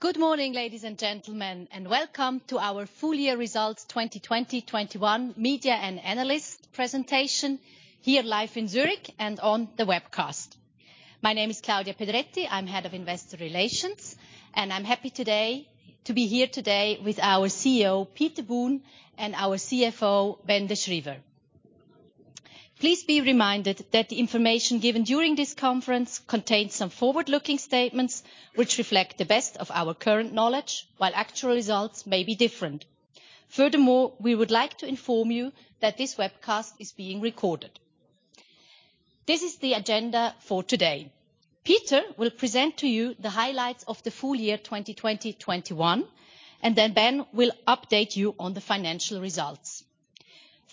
Good morning, ladies and gentlemen, and welcome to our full year results 2021 media and analyst presentation here live in Zurich and on the webcast. My name is Claudia Pedretti. I'm Head of Investor Relations, and I'm happy today to be here today with our CEO, Peter Boone, and our CFO, Ben De Schryver. Please be reminded that the information given during this conference contains some forward-looking statements which reflect the best of our current knowledge, while actual results may be different. Furthermore, we would like to inform you that this webcast is being recorded. This is the agenda for today. Peter will present to you the highlights of the full year 2021, and then Ben will update you on the financial results,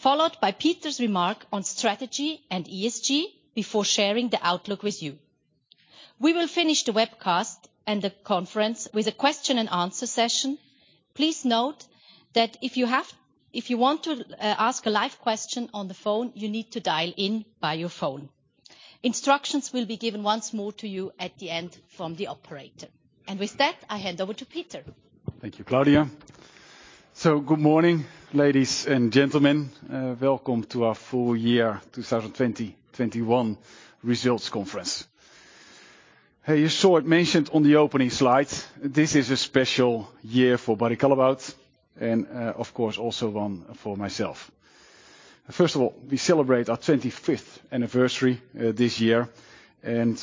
followed by Peter's remark on strategy and ESG before sharing the outlook with you. We will finish the webcast and the conference with a question and answer session. Please note that if you want to ask a live question on the phone, you need to dial in by your phone. Instructions will be given once more to you at the end from the operator. With that, I hand over to Peter. Thank you, Claudia. Good morning, ladies and gentlemen. Welcome to our full year 2021 results conference. You saw it mentioned on the opening slide, this is a special year for Barry Callebaut and, of course, also one for myself. First of all, we celebrate our 25th anniversary this year, and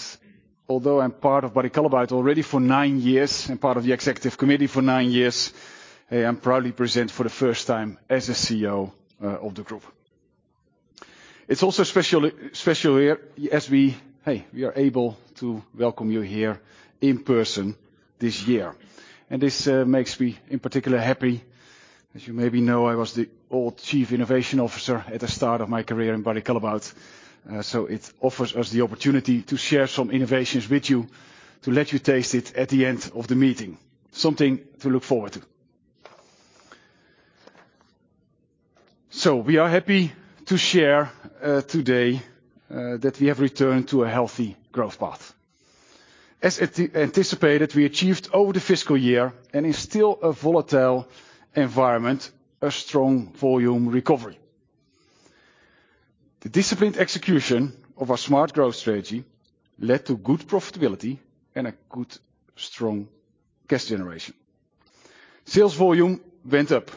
although I'm part of Barry Callebaut already for 9 years and part of the executive committee for 9 years, I am proudly present for the first time as a CEO of the group. It's also special here as we are able to welcome you here in person this year. This makes me in particular happy. As you maybe know, I was the old chief innovation officer at the start of my career in Barry Callebaut, so it offers us the opportunity to share some innovations with you, to let you taste it at the end of the meeting. Something to look forward to. We are happy to share today that we have returned to a healthy growth path. As anticipated, we achieved over the fiscal year, and in a still volatile environment, a strong volume recovery. The disciplined execution of our smart growth strategy led to good profitability and a good strong cash generation. Sales volume went up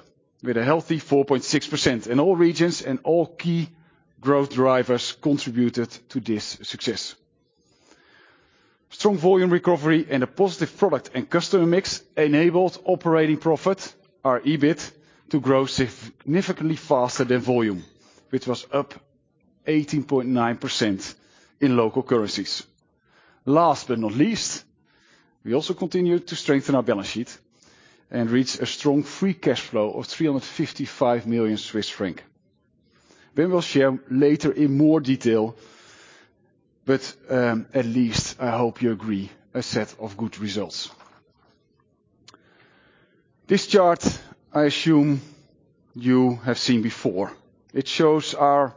with a healthy 4.6% in all regions, and all key growth drivers contributed to this success. Strong volume recovery and a positive product and customer mix enabled operating profit, our EBIT, to grow significantly faster than volume, which was up 18.9% in local currencies. Last but not least, we also continued to strengthen our balance sheet and reach a strong free cash flow of 355 million Swiss francs. Ben will share later in more detail, but, at least I hope you agree, a set of good results. This chart, I assume you have seen before. It shows our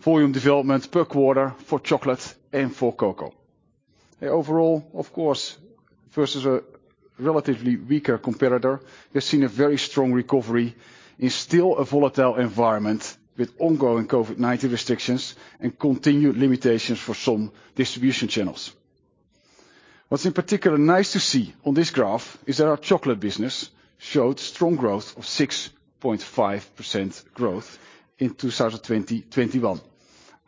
volume development per quarter for chocolate and for cocoa. Overall, of course, versus a relatively weaker competitor, we've seen a very strong recovery in still a volatile environment with ongoing COVID-19 restrictions and continued limitations for some distribution channels. What's in particular nice to see on this graph is that our chocolate business showed strong growth of 6.5% in 2021,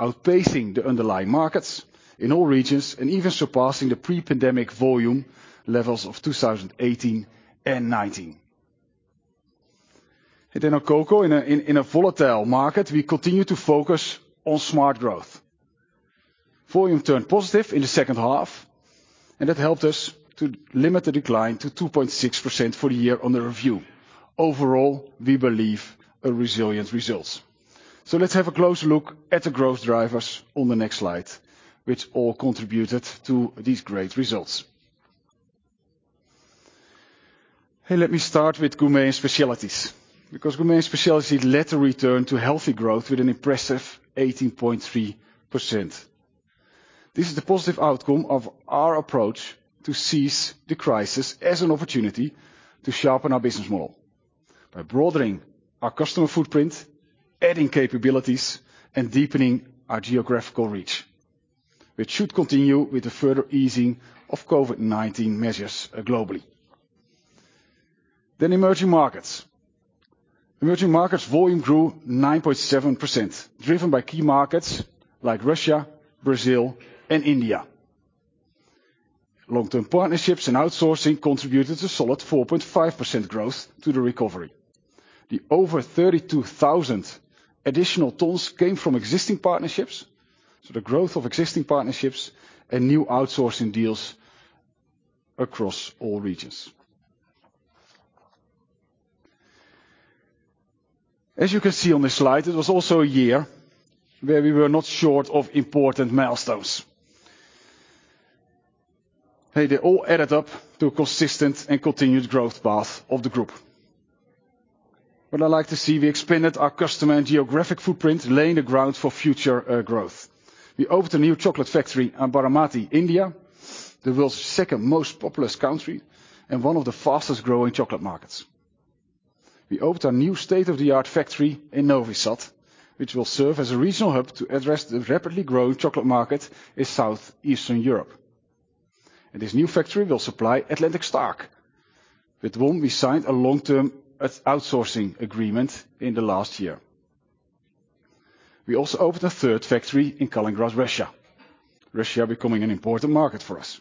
outpacing the underlying markets in all regions and even surpassing the pre-pandemic volume levels of 2018 and 2019. Our cocoa, in a volatile market, we continue to focus on smart growth. Volume turned positive in the second half, and that helped us to limit the decline to 2.6% for the year under review. Overall, we believe these are resilient results. Let's have a closer look at the growth drivers on the next slide, which all contributed to these great results. Hey, let me start with Gourmet & Specialties, because Gourmet & Specialties led the return to healthy growth with an impressive 18.3%. This is the positive outcome of our approach to seize the crisis as an opportunity to sharpen our business model by broadening our customer footprint, adding capabilities, and deepening our geographical reach, which should continue with the further easing of COVID-19 measures globally. Emerging markets volume grew 9.7%, driven by key markets like Russia, Brazil, and India. Long-term partnerships and outsourcing contributed a solid 4.5% growth to the recovery. The over 32,000 additional tons came from existing partnerships, so the growth of existing partnerships and new outsourcing deals across all regions. As you can see on this slide, it was also a year where we were not short of important milestones. They all added up to a consistent and continued growth path of the group. I like to see we expanded our customer and geographic footprint, laying the ground for future growth. We opened a new chocolate factory at Baramati, India, the world's second most populous country and one of the fastest-growing chocolate markets. We opened a new state-of-the-art factory in Novi Sad, which will serve as a regional hub to address the rapidly growing chocolate market in Southeastern Europe. This new factory will supply Atlantic Stark, with whom we signed a long-term outsourcing agreement in the last year. We also opened a third factory in Kaliningrad, Russia, becoming an important market for us.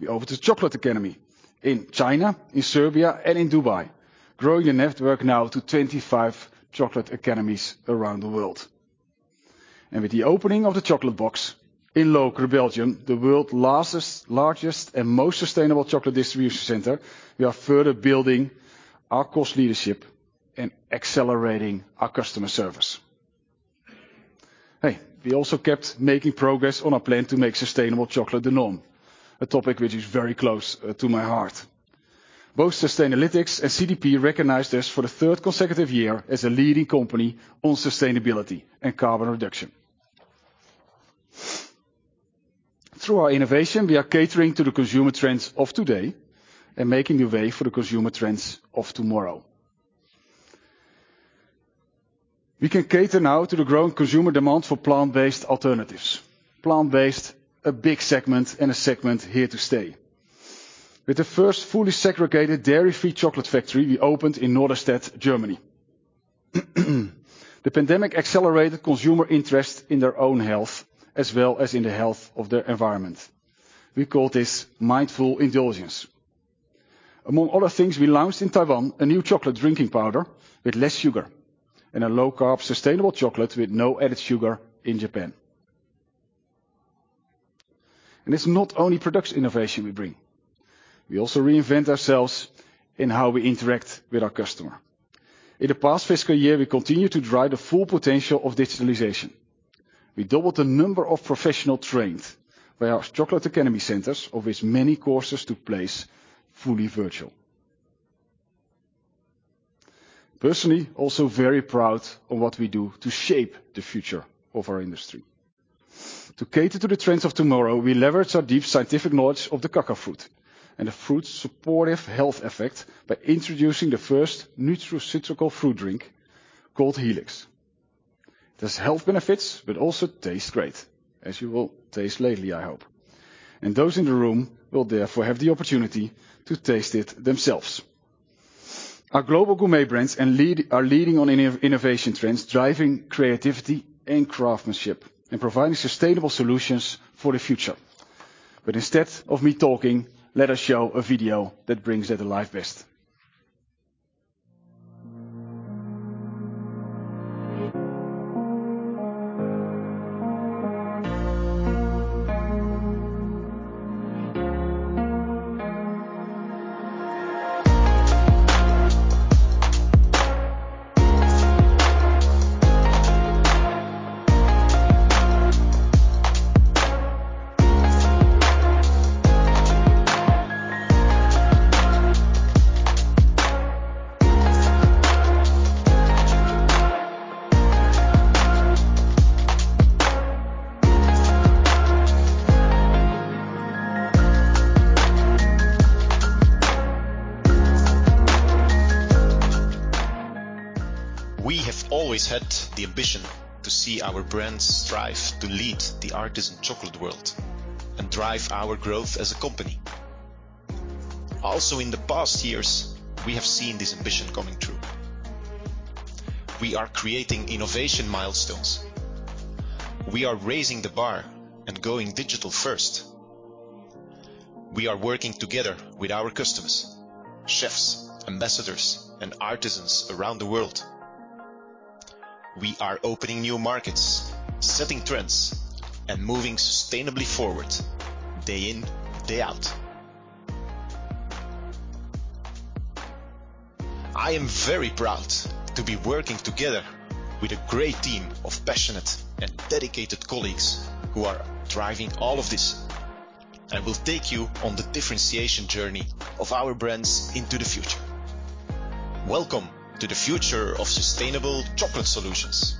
We opened a Chocolate Academy in China, in Serbia, and in Dubai, growing the network now to 25 Chocolate Academies around the world. With the opening of The Chocolate Box in Lokeren, Belgium, the world's largest and most sustainable chocolate distribution center, we are further building our cost leadership and accelerating our customer service. Hey, we also kept making progress on our plan to make sustainable chocolate the norm, a topic which is very close to my heart. Both Sustainalytics and CDP recognized us for the third consecutive year as a leading company on sustainability and carbon reduction. Through our innovation, we are catering to the consumer trends of today and paving the way for the consumer trends of tomorrow. We can cater now to the growing consumer demand for plant-based alternatives. Plant-based, a big segment and a segment here to stay. With the first fully segregated dairy-free chocolate factory we opened in Norderstedt, Germany. The pandemic accelerated consumer interest in their own health, as well as in the health of their environment. We call this Mindful Indulgence. Among other things, we launched in Taiwan a new chocolate drinking powder with less sugar, and a low-carb, sustainable chocolate with no added sugar in Japan. It's not only product innovation we bring. We also reinvent ourselves in how we interact with our customer. In the past fiscal year, we continued to drive the full potential of digitalization. We doubled the number of professionals trained by our Chocolate Academy centers, of which many courses took place fully virtual. Personally, also very proud of what we do to shape the future of our industry. To cater to the trends of tomorrow, we leverage our deep scientific knowledge of the cocoa fruit, and the fruit's supportive health effect by introducing the first nutraceutical fruit drink called Elix. It has health benefits, but also tastes great, as you will taste later, I hope. Those in the room will therefore have the opportunity to taste it themselves. Our global Gourmet brands and lead are leading on innovation trends, driving creativity and craftsmanship, and providing sustainable solutions for the future. Instead of me talking, let us show a video that brings that to life best. We have always had the ambition to see our brands strive to lead the artisan chocolate world and drive our growth as a company. Also in the past years, we have seen this ambition coming true. We are creating innovation milestones. We are raising the bar and going digital first. We are working together with our customers, chefs, ambassadors, and artisans around the world. We are opening new markets, setting trends, and moving sustainably forward, day in, day out. I am very proud to be working together with a great team of passionate and dedicated colleagues who are driving all of this, and will take you on the differentiation journey of our brands into the future. Welcome to the future of sustainable chocolate solutions.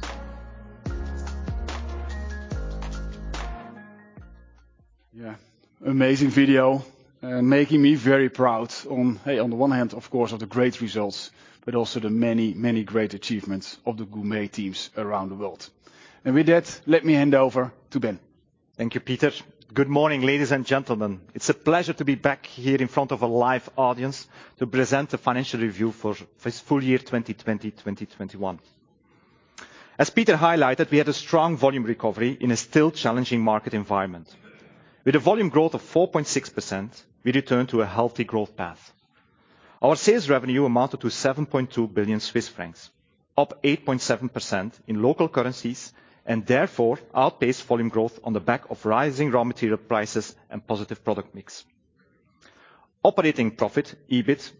Yeah. Amazing video, making me very proud, on the one hand, of course, of the great results, but also the many, many great achievements of the gourmet teams around the world. With that, let me hand over to Ben. Thank you, Peter. Good morning, ladies and gentlemen. It's a pleasure to be back here in front of a live audience to present the financial review for this full year, 2020/2021. As Peter highlighted, we had a strong volume recovery in a still challenging market environment. With a volume growth of 4.6%, we returned to a healthy growth path. Our sales revenue amounted to 7.2 billion Swiss francs, up 8.7% in local currencies, and therefore outpaced volume growth on the back of rising raw material prices and positive product mix. Operating profit, EBIT,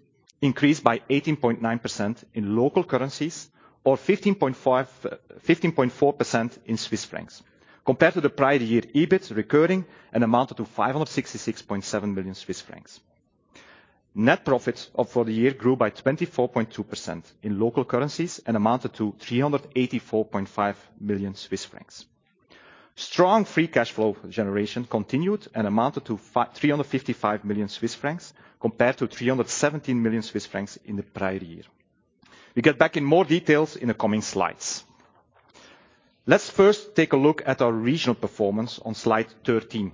increased by 18.9% in local currencies or 15.4% in Swiss francs. Compared to the prior year, recurring EBIT amounted to 566.7 million Swiss francs. Net profits for the year grew by 24.2% in local currencies and amounted to 384.5 million Swiss francs. Strong free cash flow generation continued and amounted to 355 million Swiss francs compared to 317 million Swiss francs in the prior year. We'll get back to more details in the coming slides. Let's first take a look at our regional performance on slide 13.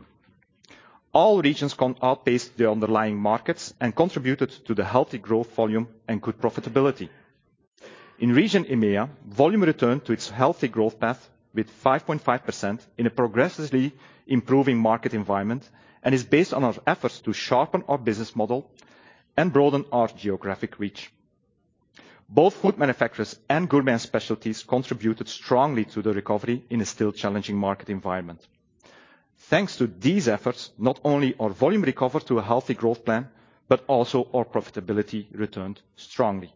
All regions outpaced the underlying markets and contributed to the healthy growth volume and good profitability. In region EMEA, volume returned to its healthy growth path with 5.5% in a progressively improving market environment, and is based on our efforts to sharpen our business model and broaden our geographic reach. Both food manufacturers and Gourmet & Specialties contributed strongly to the recovery in a still challenging market environment. Thanks to these efforts, not only our volume recovered to a healthy growth plan, but also our profitability returned strongly.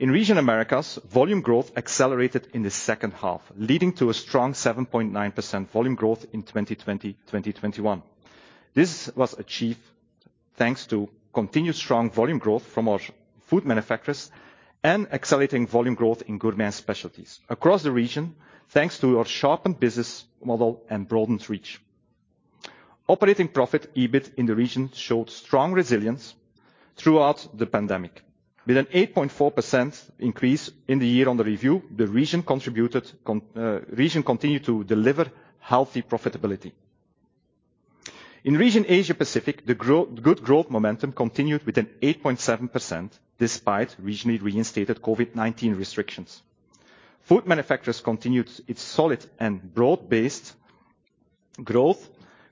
In region Americas, volume growth accelerated in the second half, leading to a strong 7.9% volume growth in 2020-2021. This was achieved thanks to continued strong volume growth from our food manufacturers and accelerating volume growth in Gourmet & Specialties. Across the region, thanks to our sharpened business model and broadened reach. Operating profit EBIT in the region showed strong resilience throughout the pandemic. With an 8.4% increase in the year under review, the region continued to deliver healthy profitability. In the Asia Pacific region, the good growth momentum continued with 8.7% despite regionally reinstated COVID-19 restrictions. Food manufacturers continued its solid and broad-based growth.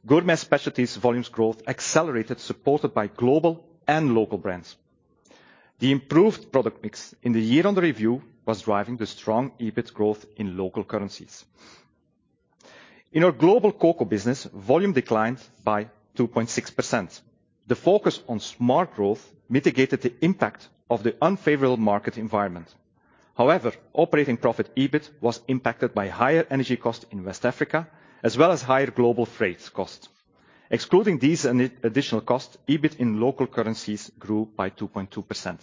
Gourmet & Specialties volumes growth accelerated, supported by global and local brands. The improved product mix in the year under review was driving the strong EBIT growth in local currencies. In our global cocoa business, volume declined by 2.6%. The focus on smart growth mitigated the impact of the unfavorable market environment. However, operating profit EBIT was impacted by higher energy costs in West Africa, as well as higher global freight costs. Excluding these and the additional costs, EBIT in local currencies grew by 2.2%.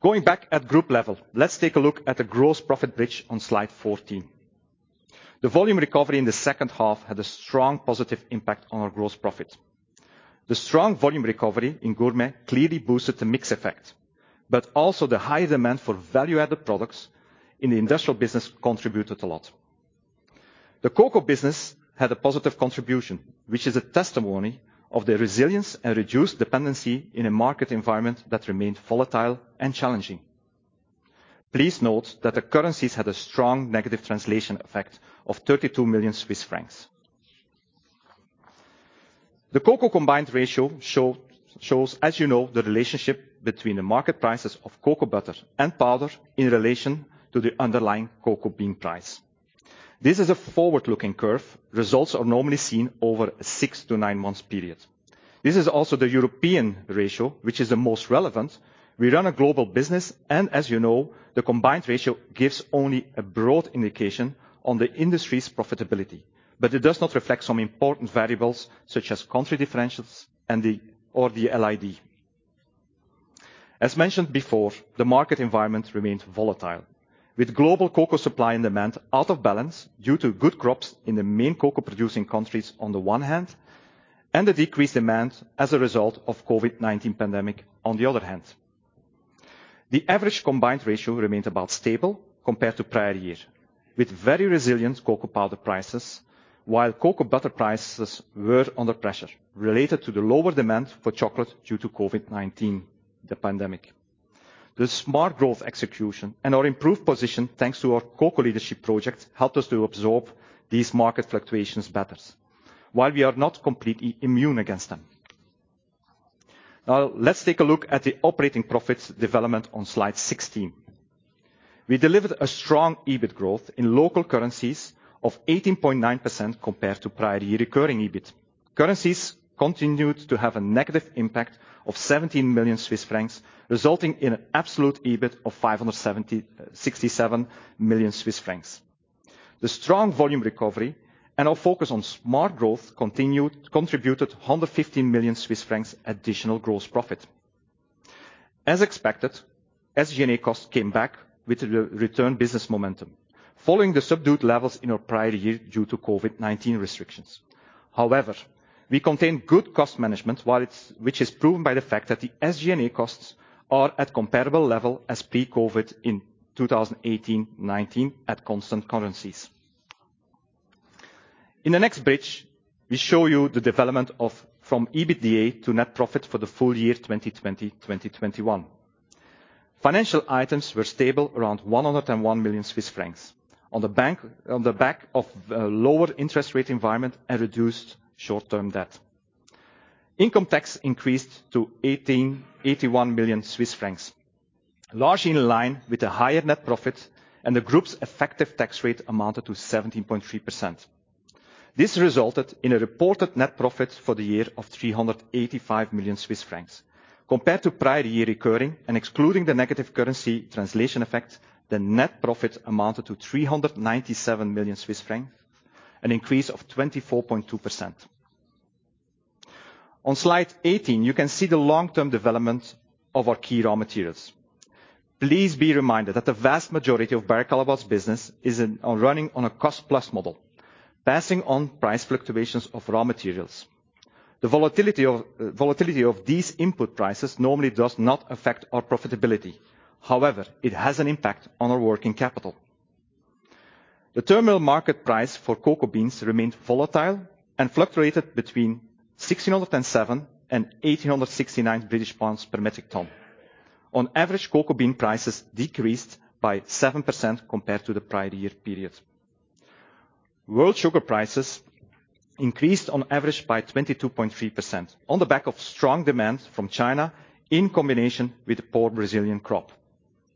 Going back to group level, let's take a look at the gross profit bridge on slide 14. The volume recovery in the second half had a strong positive impact on our gross profit. The strong volume recovery in gourmet clearly boosted the mix effect, but also the high demand for value-added products in the industrial business contributed a lot. The cocoa business had a positive contribution, which is a testimony of the resilience and reduced dependency in a market environment that remained volatile and challenging. Please note that the currencies had a strong negative translation effect of 32 million Swiss francs. The cocoa combined ratio shows, as you know, the relationship between the market prices of cocoa butter and powder in relation to the underlying cocoa bean price. This is a forward-looking curve. Results are normally seen over a 6-9 months period. This is also the European ratio, which is the most relevant. We run a global business, and as you know, the combined ratio gives only a broad indication on the industry's profitability, but it does not reflect some important variables such as country differentials and the LID. As mentioned before, the market environment remains volatile, with global cocoa supply and demand out of balance due to good crops in the main cocoa producing countries on the one hand, and the decreased demand as a result of COVID-19 pandemic on the other hand. The average combined ratio remains about stable compared to prior year, with very resilient cocoa powder prices, while cocoa butter prices were under pressure related to the lower demand for chocolate due to COVID-19, the pandemic. The smart growth execution and our improved position, thanks to our cocoa leadership project, helped us to absorb these market fluctuations better, while we are not completely immune against them. Now, let's take a look at the operating profits development on slide 16. We delivered a strong EBIT growth in local currencies of 18.9% compared to prior year recurring EBIT. Currencies continued to have a negative impact of 17 million Swiss francs, resulting in an absolute EBIT of 567 million Swiss francs. The strong volume recovery and our focus on smart growth continued to contribute 115 million Swiss francs additional gross profit. As expected, SG&A costs came back with the return business momentum following the subdued levels in our prior year due to COVID-19 restrictions. However, we continued good cost management, which is proven by the fact that the SG&A costs are at comparable level as pre-COVID in 2018, 2019 at constant currencies. In the next bridge, we show you the development from EBITDA to net profit for the full year 2020, 2021. Financial items were stable around 101 million Swiss francs on the back of a lower interest rate environment and reduced short-term debt. Income tax increased to 81 million Swiss francs, largely in line with the higher net profit, and the group's effective tax rate amounted to 17.3%. This resulted in a reported net profit for the year of 385 million Swiss francs. Compared to prior year recurring and excluding the negative currency translation effect, the net profit amounted to 397 million Swiss francs, an increase of 24.2%. On slide 18, you can see the long-term development of our key raw materials. Please be reminded that the vast majority of Barry Callebaut's business is on running on a cost-plus model, passing on price fluctuations of raw materials. The volatility of these input prices normally does not affect our profitability. However, it has an impact on our working capital. The terminal market price for cocoa beans remained volatile and fluctuated between 1,607-1,869 British pounds per metric ton. On average, cocoa bean prices decreased by 7% compared to the prior year period. World sugar prices increased on average by 22.3% on the back of strong demand from China in combination with poor Brazilian crop.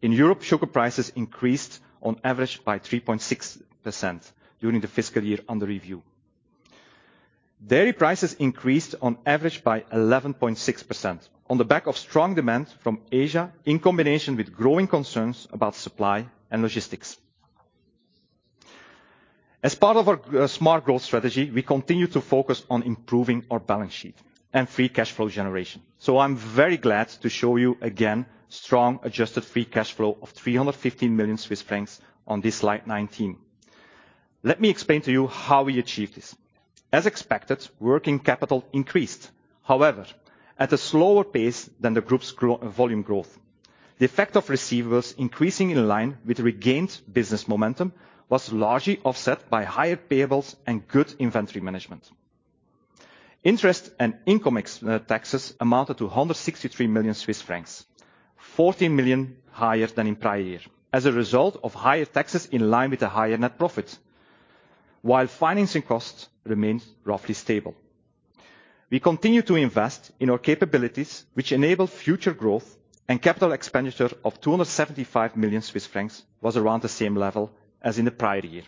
In Europe, sugar prices increased on average by 3.6% during the fiscal year under review. Dairy prices increased on average by 11.6% on the back of strong demand from Asia in combination with growing concerns about supply and logistics. As part of our smart growth strategy, we continue to focus on improving our balance sheet and free cash flow generation. I'm very glad to show you again strong adjusted free cash flow of 315 million Swiss francs on this slide 19. Let me explain to you how we achieved this. As expected, working capital increased, however, at a slower pace than the group's volume growth. The effect of receivables increasing in line with regained business momentum was largely offset by higher payables and good inventory management. Interest and income ex taxes amounted to 163 million Swiss francs, 40 million higher than in prior year as a result of higher taxes in line with the higher net profit, while financing costs remained roughly stable. We continue to invest in our capabilities, which enable future growth and capital expenditure of 275 million Swiss francs was around the same level as in the prior year.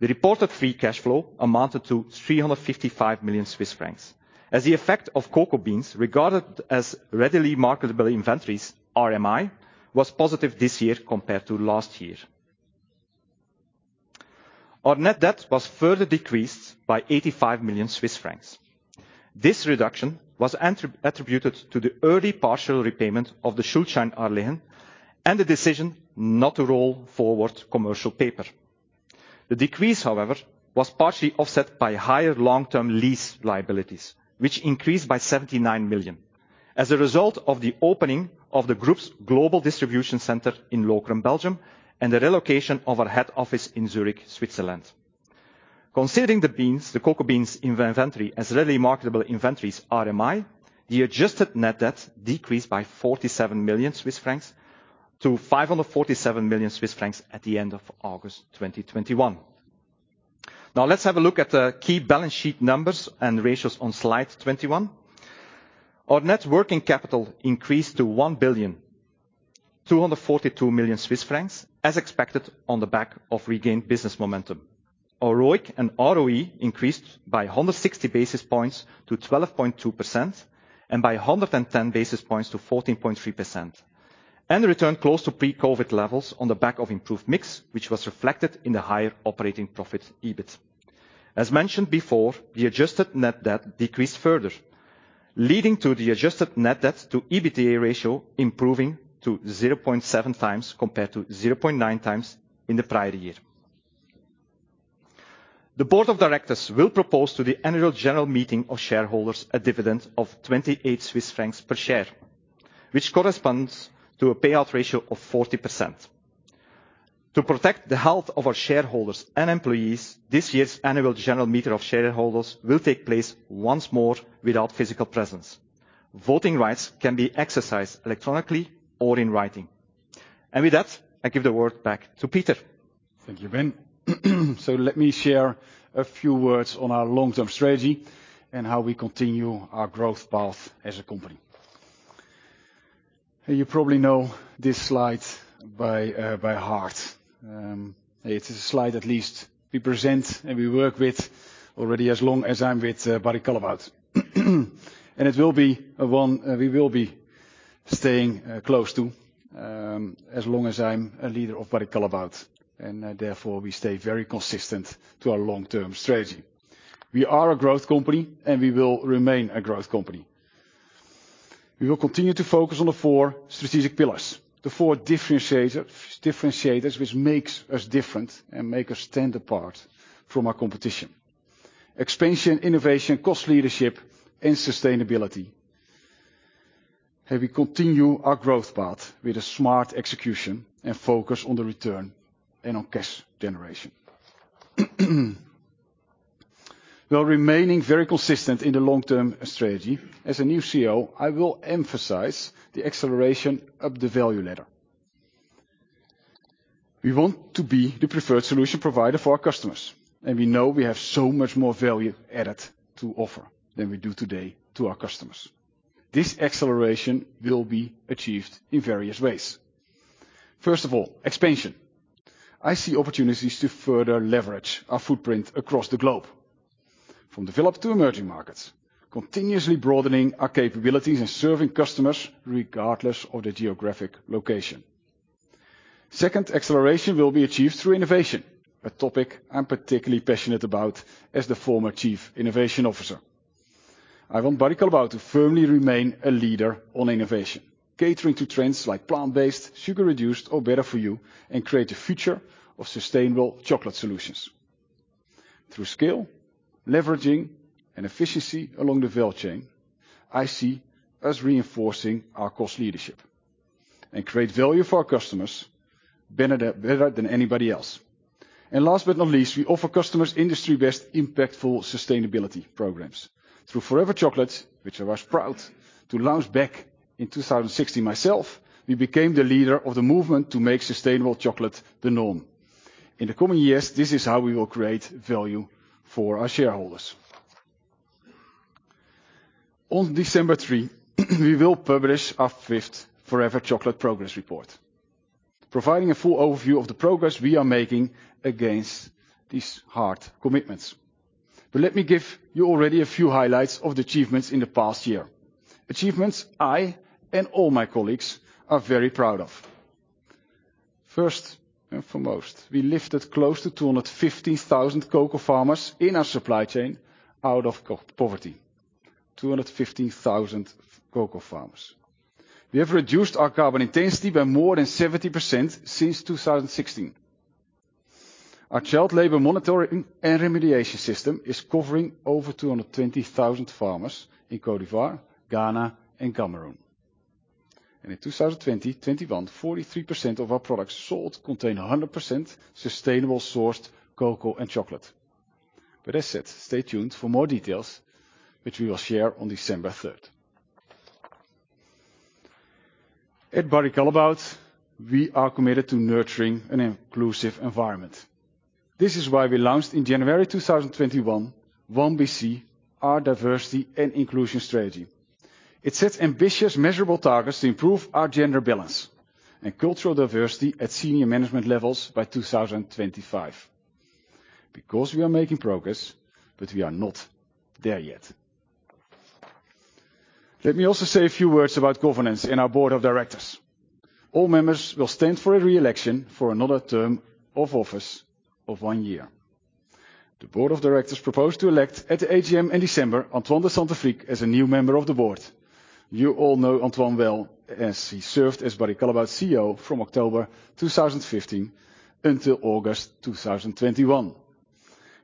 The reported free cash flow amounted to 355 million Swiss francs as the effect of cocoa beans regarded as readily marketable inventories, RMI, was positive this year compared to last year. Our net debt was further decreased by 85 million Swiss francs. This reduction was attributed to the early partial repayment of the Schuldscheindarlehen and the decision not to roll forward commercial paper. The decrease, however, was partially offset by higher long-term lease liabilities, which increased by 79 million as a result of the opening of the group's global distribution center in Lokeren, Belgium, and the relocation of our head office in Zurich, Switzerland. Considering the beans, the cocoa beans inventory as readily marketable inventories, RMI, the adjusted net debt decreased by 47 million Swiss francs to 547 million Swiss francs at the end of August 2021. Now let's have a look at the key balance sheet numbers and ratios on slide 21. Our net working capital increased to 1,242 million Swiss francs as expected on the back of regained business momentum. Our ROIC and ROE increased by 160 basis points to 12.2% and by 110 basis points to 14.3% and returned close to pre-COVID levels on the back of improved mix, which was reflected in the higher operating profit EBIT. As mentioned before, the adjusted net debt decreased further, leading to the adjusted net debt to EBITA ratio improving to 0.7 times compared to 0.9 times in the prior year. The board of directors will propose to the annual general meeting of shareholders a dividend of 28 Swiss francs per share, which corresponds to a payout ratio of 40%. To protect the health of our shareholders and employees, this year's annual general meeting of shareholders will take place once more without physical presence. Voting rights can be exercised electronically or in writing. With that, I give the word back to Peter. Thank you, Ben. Let me share a few words on our long-term strategy and how we continue our growth path as a company. You probably know this slide by heart. It is a slide at least we present and we work with already as long as I'm with Barry Callebaut. It will be one we will be staying close to as long as I'm a leader of Barry Callebaut, and therefore we stay very consistent to our long-term strategy. We are a growth company, and we will remain a growth company. We will continue to focus on the four strategic pillars, the four differentiators, which makes us different and make us stand apart from our competition. Expansion, innovation, cost leadership, and sustainability. We continue our growth path with a smart execution and focus on the return and on cash generation. While remaining very consistent in the long-term strategy, as a new CEO, I will emphasize the acceleration up the value ladder. We want to be the preferred solution provider for our customers, and we know we have so much more value added to offer than we do today to our customers. This acceleration will be achieved in various ways. First of all, expansion. I see opportunities to further leverage our footprint across the globe, from developed to emerging markets, continuously broadening our capabilities and serving customers regardless of their geographic location. Second, acceleration will be achieved through innovation, a topic I'm particularly passionate about as the former Chief Innovation Officer. I want Barry Callebaut to firmly remain a leader on innovation, catering to trends like plant-based, sugar-reduced, or better-for-you, and create a future of sustainable chocolate solutions. Through scale, leveraging, and efficiency along the value chain, I see us reinforcing our cost leadership and create value for our customers better than anybody else. Last but not least, we offer customers industry-best impactful sustainability programs. Through Forever Chocolate, which I was proud to launch back in 2016 myself, we became the leader of the movement to make sustainable chocolate the norm. In the coming years, this is how we will create value for our shareholders. On December third, we will publish our fifth Forever Chocolate progress report, providing a full overview of the progress we are making against these hard commitments. Let me give you already a few highlights of the achievements in the past year, achievements I and all my colleagues are very proud of. First and foremost, we lifted close to 215,000 cocoa farmers in our supply chain out of poverty. 215,000 cocoa farmers. We have reduced our carbon intensity by more than 70% since 2016. Our child labor monitoring and remediation system is covering over 220,000 farmers in Côte d'Ivoire, Ghana, and Cameroon. In 2020-2021, 43% of our products sold contain 100% sustainable sourced cocoa and chocolate. With that said, stay tuned for more details, which we will share on December third. At Barry Callebaut, we are committed to nurturing an inclusive environment. This is why we launched in January 2021, One BC, our diversity and inclusion strategy. It sets ambitious, measurable targets to improve our gender balance and cultural diversity at senior management levels by 2025. Because we are making progress, but we are not there yet. Let me also say a few words about governance in our board of directors. All members will stand for a re-election for another term of office of 1 year. The board of directors propose to elect at the AGM in December, Antoine de Saint-Affrique as a new member of the board. You all know Antoine well, as he served as Barry Callebaut's CEO from October 2015 until August 2021.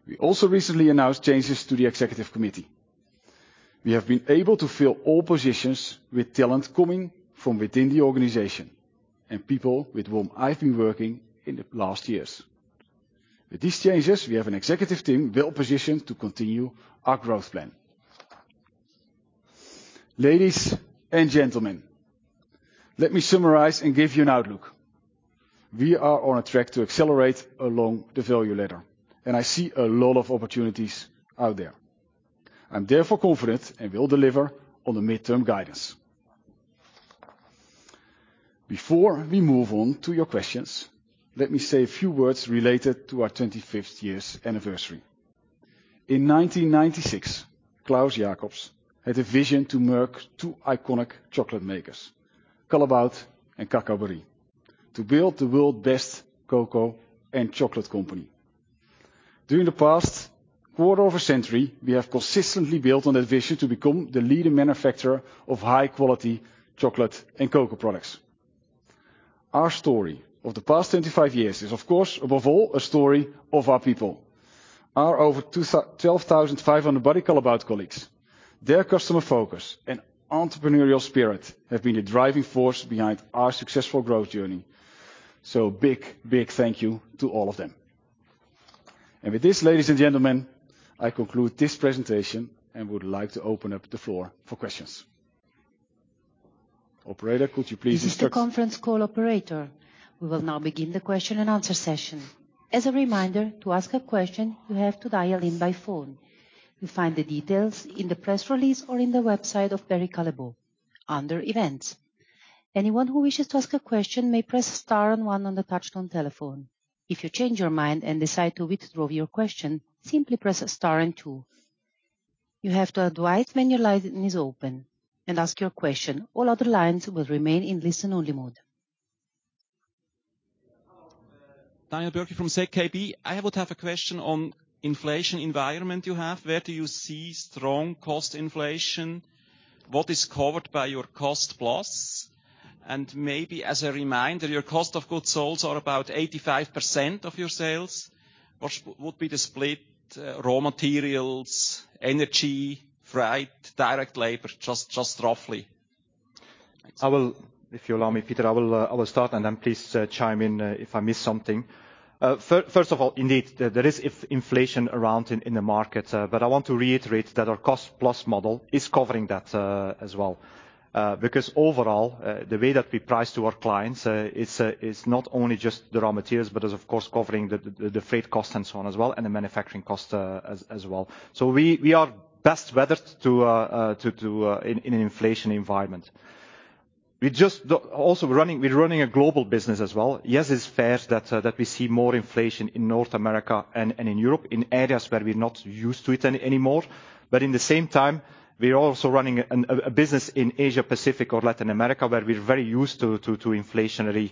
We also recently announced changes to the executive committee. We have been able to fill all positions with talent coming from within the organization and people with whom I've been working in the last years. With these changes, we have an executive team well-positioned to continue our growth plan. Ladies and gentlemen, let me summarize and give you an outlook. We are on a track to accelerate along the value ladder, and I see a lot of opportunities out there. I'm therefore confident and will deliver on the midterm guidance. Before we move on to your questions, let me say a few words related to our 25th anniversary. In 1996, Klaus Jacobs had a vision to merge two iconic chocolate makers, Callebaut and Cacao Barry, to build the world's best cocoa and chocolate company. During the past quarter of a century, we have consistently built on that vision to become the leading manufacturer of high-quality chocolate and cocoa products. Our story of the past 25 years is, of course, above all, a story of our people. Our over 12,500 Barry Callebaut colleagues, their customer focus and entrepreneurial spirit have been the driving force behind our successful growth journey. Big thank you to all of them. With this, ladies and gentlemen, I conclude this presentation and would like to open up the floor for questions. Operator, could you please instruct- This is the conference call operator. We will now begin the question and answer session. As a reminder, to ask a question, you have to dial in by phone. You'll find the details in the press release or in the website of Barry Callebaut under Events. Anyone who wishes to ask a question may press star and one on the touchtone telephone. If you change your mind and decide to withdraw your question, simply press star and two. You have to unmute when your line is open and ask your question. All other lines will remain in listen-only mode. Daniel Bürki from ZKB. I would have a question on inflation environment you have. Where do you see strong cost inflation? What is covered by your cost-plus? Maybe as a reminder, your cost of goods sold are about 85% of your sales. What would be the split, raw materials, energy, freight, direct labor? Just roughly. I will, if you allow me, Peter, start, and then please, chime in, if I miss something. First of all, indeed, there is inflation around in the market. I want to reiterate that our cost-plus model is covering that, as well. Because overall, the way that we price to our clients, it's not only just the raw materials, but it's of course covering the freight cost and so on as well, and the manufacturing cost, as well. We are best weathered to an inflation environment. We're also running a global business as well. Yes, it's fair that we see more inflation in North America and in Europe, in areas where we're not used to it anymore. In the same time, we are also running a business in Asia Pacific or Latin America, where we're very used to inflationary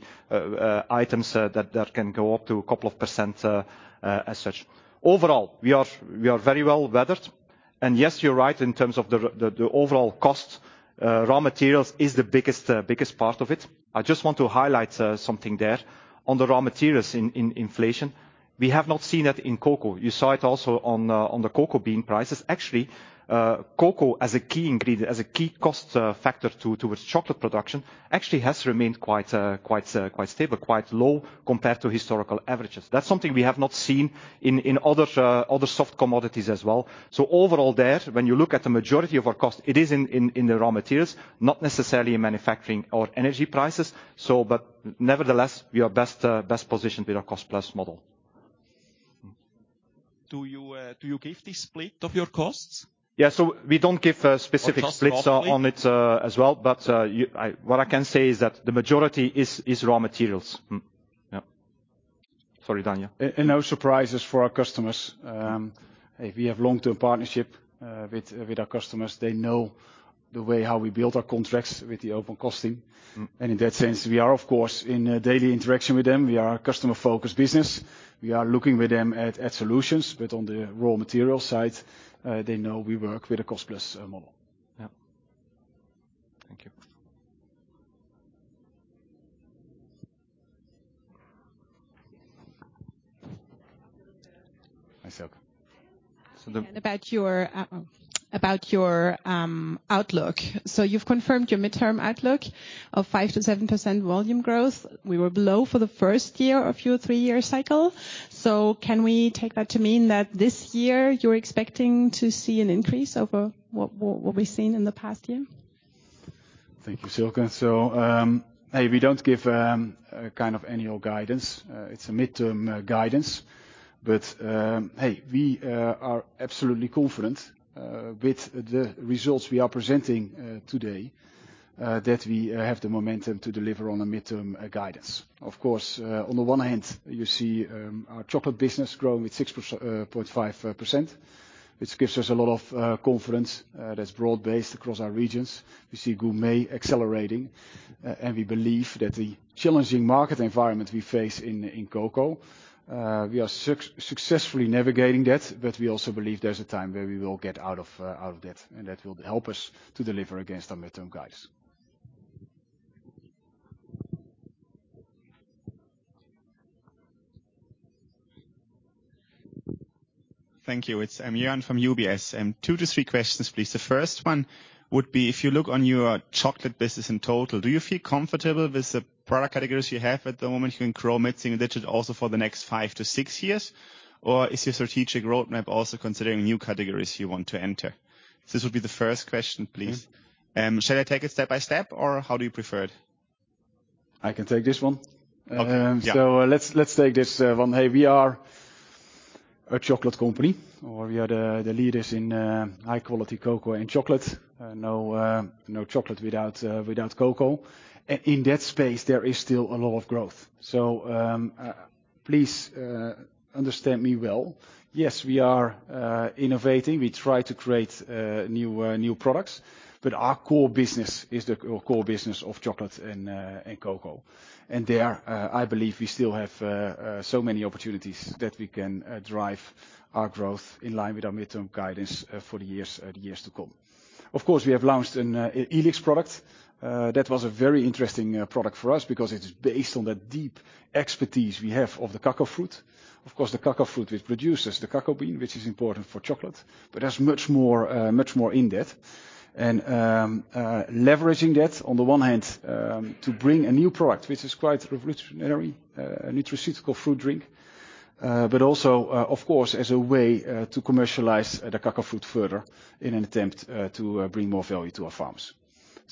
items that can go up to a couple of percent as such. Overall, we are very well weathered. Yes, you're right in terms of the overall cost. Raw materials is the biggest part of it. I just want to highlight something there. On the raw materials in inflation, we have not seen that in cocoa. You saw it also on the cocoa bean prices. Actually, cocoa as a key ingredient, as a key cost factor towards chocolate production, actually has remained quite stable, quite low compared to historical averages. That's something we have not seen in other soft commodities as well. Overall there, when you look at the majority of our cost, it is in the raw materials, not necessarily in manufacturing or energy prices. Nevertheless, we are best positioned with our cost-plus model. Do you give the split of your costs? Yeah. We don't give specific Or just roughly? splits on it, as well. What I can say is that the majority is raw materials. Yep. Sorry, Daniel. No surprises for our customers. If we have long-term partnership with our customers, they know the way how we build our contracts with the open costing. In that sense, we are of course in daily interaction with them. We are a customer-focused business. We are looking with them at solutions. On the raw material side, they know we work with a cost-plus model. Yeah. Thank you. Hi, Silke. About your outlook. You've confirmed your midterm outlook of 5%-7% volume growth. We were below for the first year of your three-year cycle. Can we take that to mean that this year you're expecting to see an increase over what we've seen in the past year? Thank you, Silke. We don't give a kind of annual guidance. It's a midterm guidance. We are absolutely confident with the results we are presenting today that we have the momentum to deliver on a midterm guidance. Of course, on the one hand, you see our chocolate business growing with 6.5%, which gives us a lot of confidence that's broad-based across our regions. We see gourmet accelerating, and we believe that the challenging market environment we face in cocoa we are successfully navigating that. We also believe there's a time where we will get out of that, and that will help us to deliver against our midterm guidance. Thank you. I'm Joern from UBS, and 2 to 3 questions, please. The first one would be, if you look on your chocolate business in total, do you feel comfortable with the product categories you have at the moment? You can grow mid-single-digit also for the next 5-6 years? Or is your strategic roadmap also considering new categories you want to enter? This would be the first question, please. Shall I take it step by step, or how do you prefer it? I can take this one. Okay. Yeah. Let's take this one. Hey, we are a chocolate company, or we are the leaders in high-quality cocoa and chocolate. No chocolate without cocoa. In that space, there is still a lot of growth. Please understand me well. Yes, we are innovating. We try to create new products. But our core business is our core business of chocolate and cocoa. There, I believe we still have so many opportunities that we can drive our growth in line with our midterm guidance for the years to come. Of course, we have launched an Elix product. That was a very interesting product for us because it is based on the deep expertise we have of the cacao fruit. Of course, the cacao fruit, which produces the cacao bean, which is important for chocolate, but there's much more in that. Leveraging that on the one hand to bring a new product, which is quite revolutionary, a nutraceutical fruit drink, but also of course as a way to commercialize the cacao fruit further in an attempt to bring more value to our farms.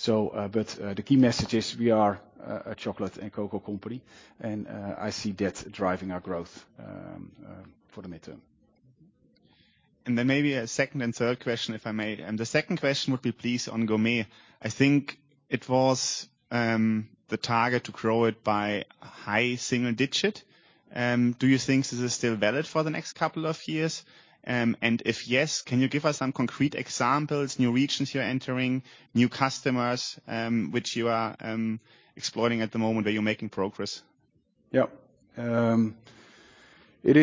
The key message is we are a chocolate and cocoa company, and I see that driving our growth for the midterm. Maybe a second and third question, if I may. The second question would be please on Gourmet. I think it was the target to grow it by high single digit. Do you think this is still valid for the next couple of years? And if yes, can you give us some concrete examples, new regions you're entering, new customers which you are exploring at the moment where you're making progress? Yeah. It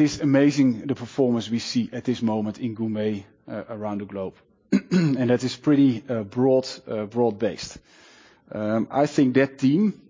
is amazing the performance we see at this moment in gourmet around the globe. That is pretty broad-based. I think that team,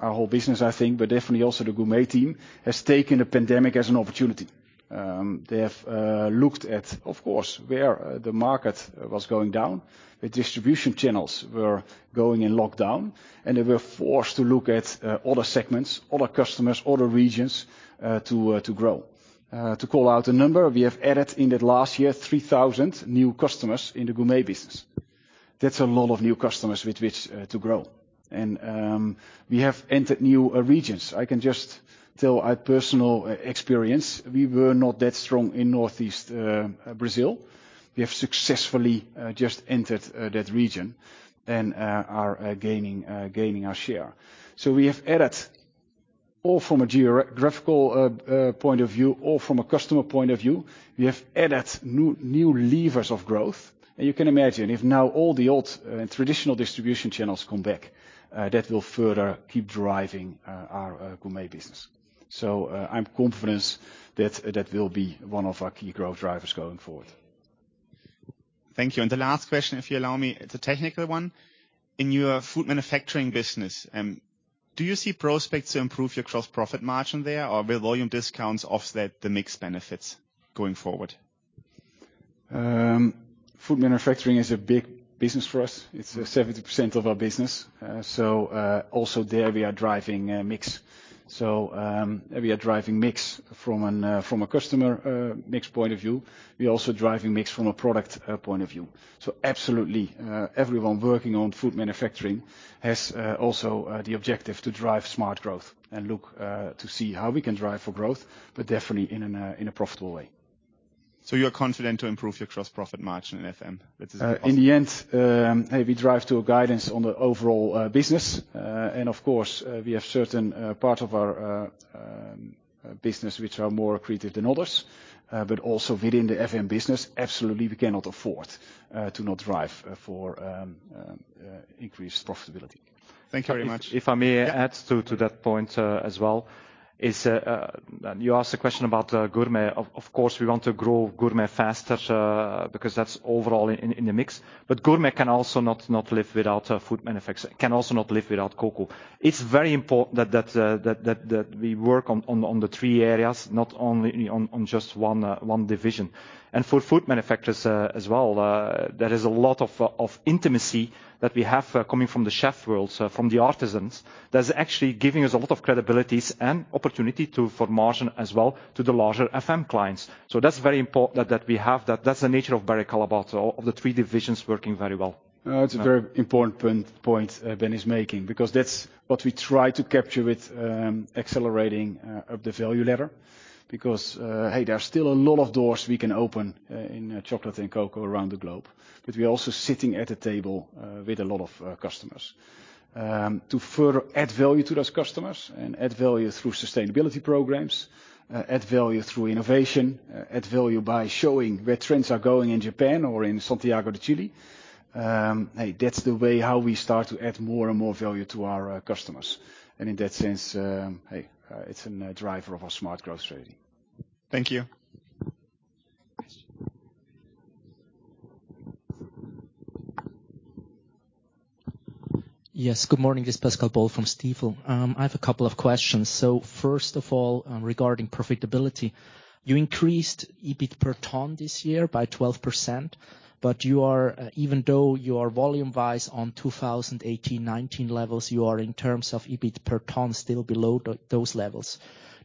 our whole business, I think, but definitely also the gourmet team, has taken the pandemic as an opportunity. They have looked at, of course, where the market was going down, the distribution channels were going in lockdown, and they were forced to look at other segments, other customers, other regions to grow. To call out a number, we have added in that last year 3,000 new customers in the gourmet business. That's a lot of new customers with which to grow. We have entered new regions. I can just tell our personal experience, we were not that strong in Northeast Brazil. We have successfully just entered that region and are gaining our share. We have added a lot from a geographical point of view, or from a customer point of view, we have added new levers of growth. You can imagine if now all the old traditional distribution channels come back, that will further keep driving our gourmet business. I'm confident that will be one of our key growth drivers going forward. Thank you. The last question, if you allow me, it's a technical one. In your food manufacturing business, do you see prospects to improve your gross profit margin there, or will volume discounts offset the mix benefits going forward? Food manufacturing is a big business for us. It's 70% of our business. Also there we are driving mix. We are driving mix from a customer mix point of view. We're also driving mix from a product point of view. Absolutely, everyone working on food manufacturing has the objective to drive smart growth and look to see how we can drive for growth, but definitely in a profitable way. You're confident to improve your gross profit margin in FM? That is also- In the end, we drive to a guidance on the overall business. Of course, we have certain part of our business which are more accretive than others. Also within the FM business, absolutely, we cannot afford to not drive for increased profitability. Thank you very much. If I may add to that point as well. You asked a question about gourmet. Of course, we want to grow gourmet faster because that's overall in the mix. But gourmet can also not live without cocoa. It's very important that we work on the three areas, not only on just one division. For food manufacturers as well, there is a lot of intimacy that we have coming from the chef world, so from the artisans. That's actually giving us a lot of credibility and opportunity for margin as well to the larger FM clients. That's very important that we have that. That's the nature of Barry Callebaut, all of the three divisions working very well. It's a very important point Ben is making, because that's what we try to capture with accelerating of the value ladder. Because hey, there are still a lot of doors we can open in chocolate and cocoa around the globe, but we're also sitting at a table with a lot of customers. To further add value to those customers and add value through sustainability programs, add value through innovation, add value by showing where trends are going in Japan or in Santiago de Chile. Hey, that's the way how we start to add more and more value to our customers. In that sense, hey, it's a driver of our smart growth strategy. Thank you. Yes. Good morning, this is Pascal Boll from Stifel. I have a couple of questions. First of all, regarding profitability, you increased EBIT per ton this year by 12%, but you are, even though you are volume-wise on 2018, 2019 levels, you are in terms of EBIT per ton still below those levels.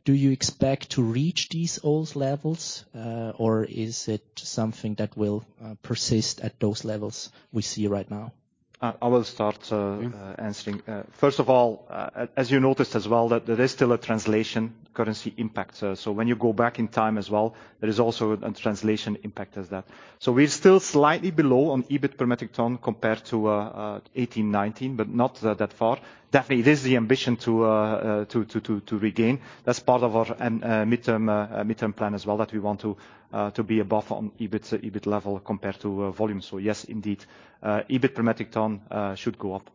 Do you expect to reach these old levels, or is it something that will persist at those levels we see right now? I will start answering. First of all, as you noticed as well, that there is still a translation currency impact. When you go back in time as well, there is also a translation impact as that. We're still slightly below on EBIT per metric ton compared to 18, 19, but not that far. Definitely, it is the ambition to regain. That's part of our midterm plan as well, that we want to be above on EBIT level compared to volume. Yes, indeed, EBIT per metric ton should go up.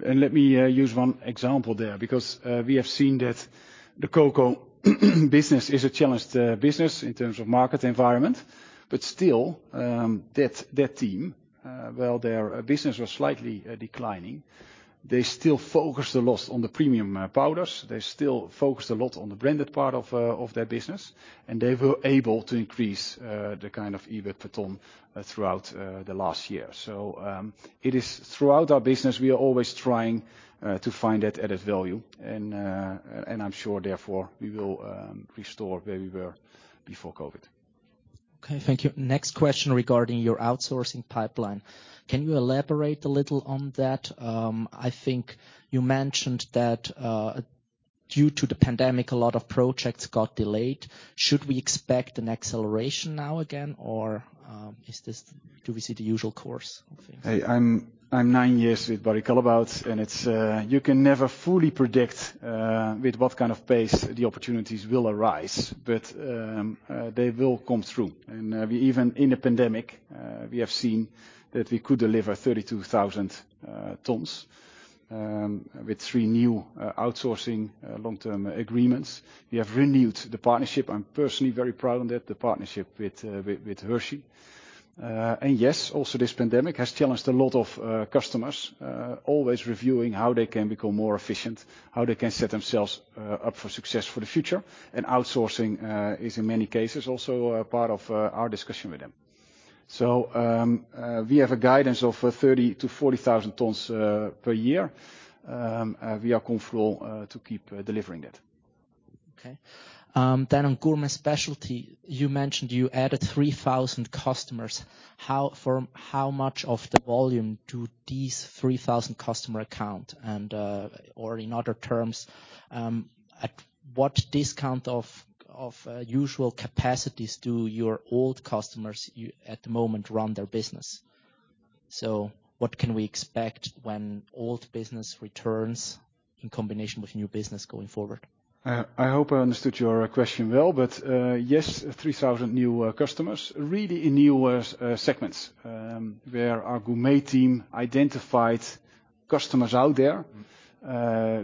Let me use one example there, because we have seen that the cocoa business is a challenged business in terms of market environment. Still, that team, while their business was slightly declining, they still focused a lot on the premium powders. They still focused a lot on the branded part of their business, and they were able to increase the kind of EBIT per ton throughout the last year. It is throughout our business, we are always trying to find that added value, and I'm sure therefore, we will restore where we were before COVID. Okay, thank you. Next question regarding your outsourcing pipeline. Can you elaborate a little on that? I think you mentioned that, due to the pandemic, a lot of projects got delayed. Should we expect an acceleration now again, or, do we see the usual course of things? I'm nine years with Barry Callebaut, and it's you can never fully predict with what kind of pace the opportunities will arise, but they will come through. We even in a pandemic, we have seen that we could deliver 32,000 tons with three new outsourcing long-term agreements. We have renewed the partnership. I'm personally very proud on that, the partnership with Hershey. Yes, also this pandemic has challenged a lot of customers always reviewing how they can become more efficient, how they can set themselves up for success for the future. Outsourcing is in many cases also a part of our discussion with them. We have a guidance of 30,000-40,000 tons per year. We are in control to keep delivering that. Okay. On Gourmet & Specialties, you mentioned you added 3,000 customers. How much of the volume do these 3,000 customers account for, or in other terms, at what discount of usual capacities do your old customers at the moment run their business? What can we expect when old business returns in combination with new business going forward? I hope I understood your question well, but yes, 3,000 new customers really in new segments, where our Gourmet team identified customers out there,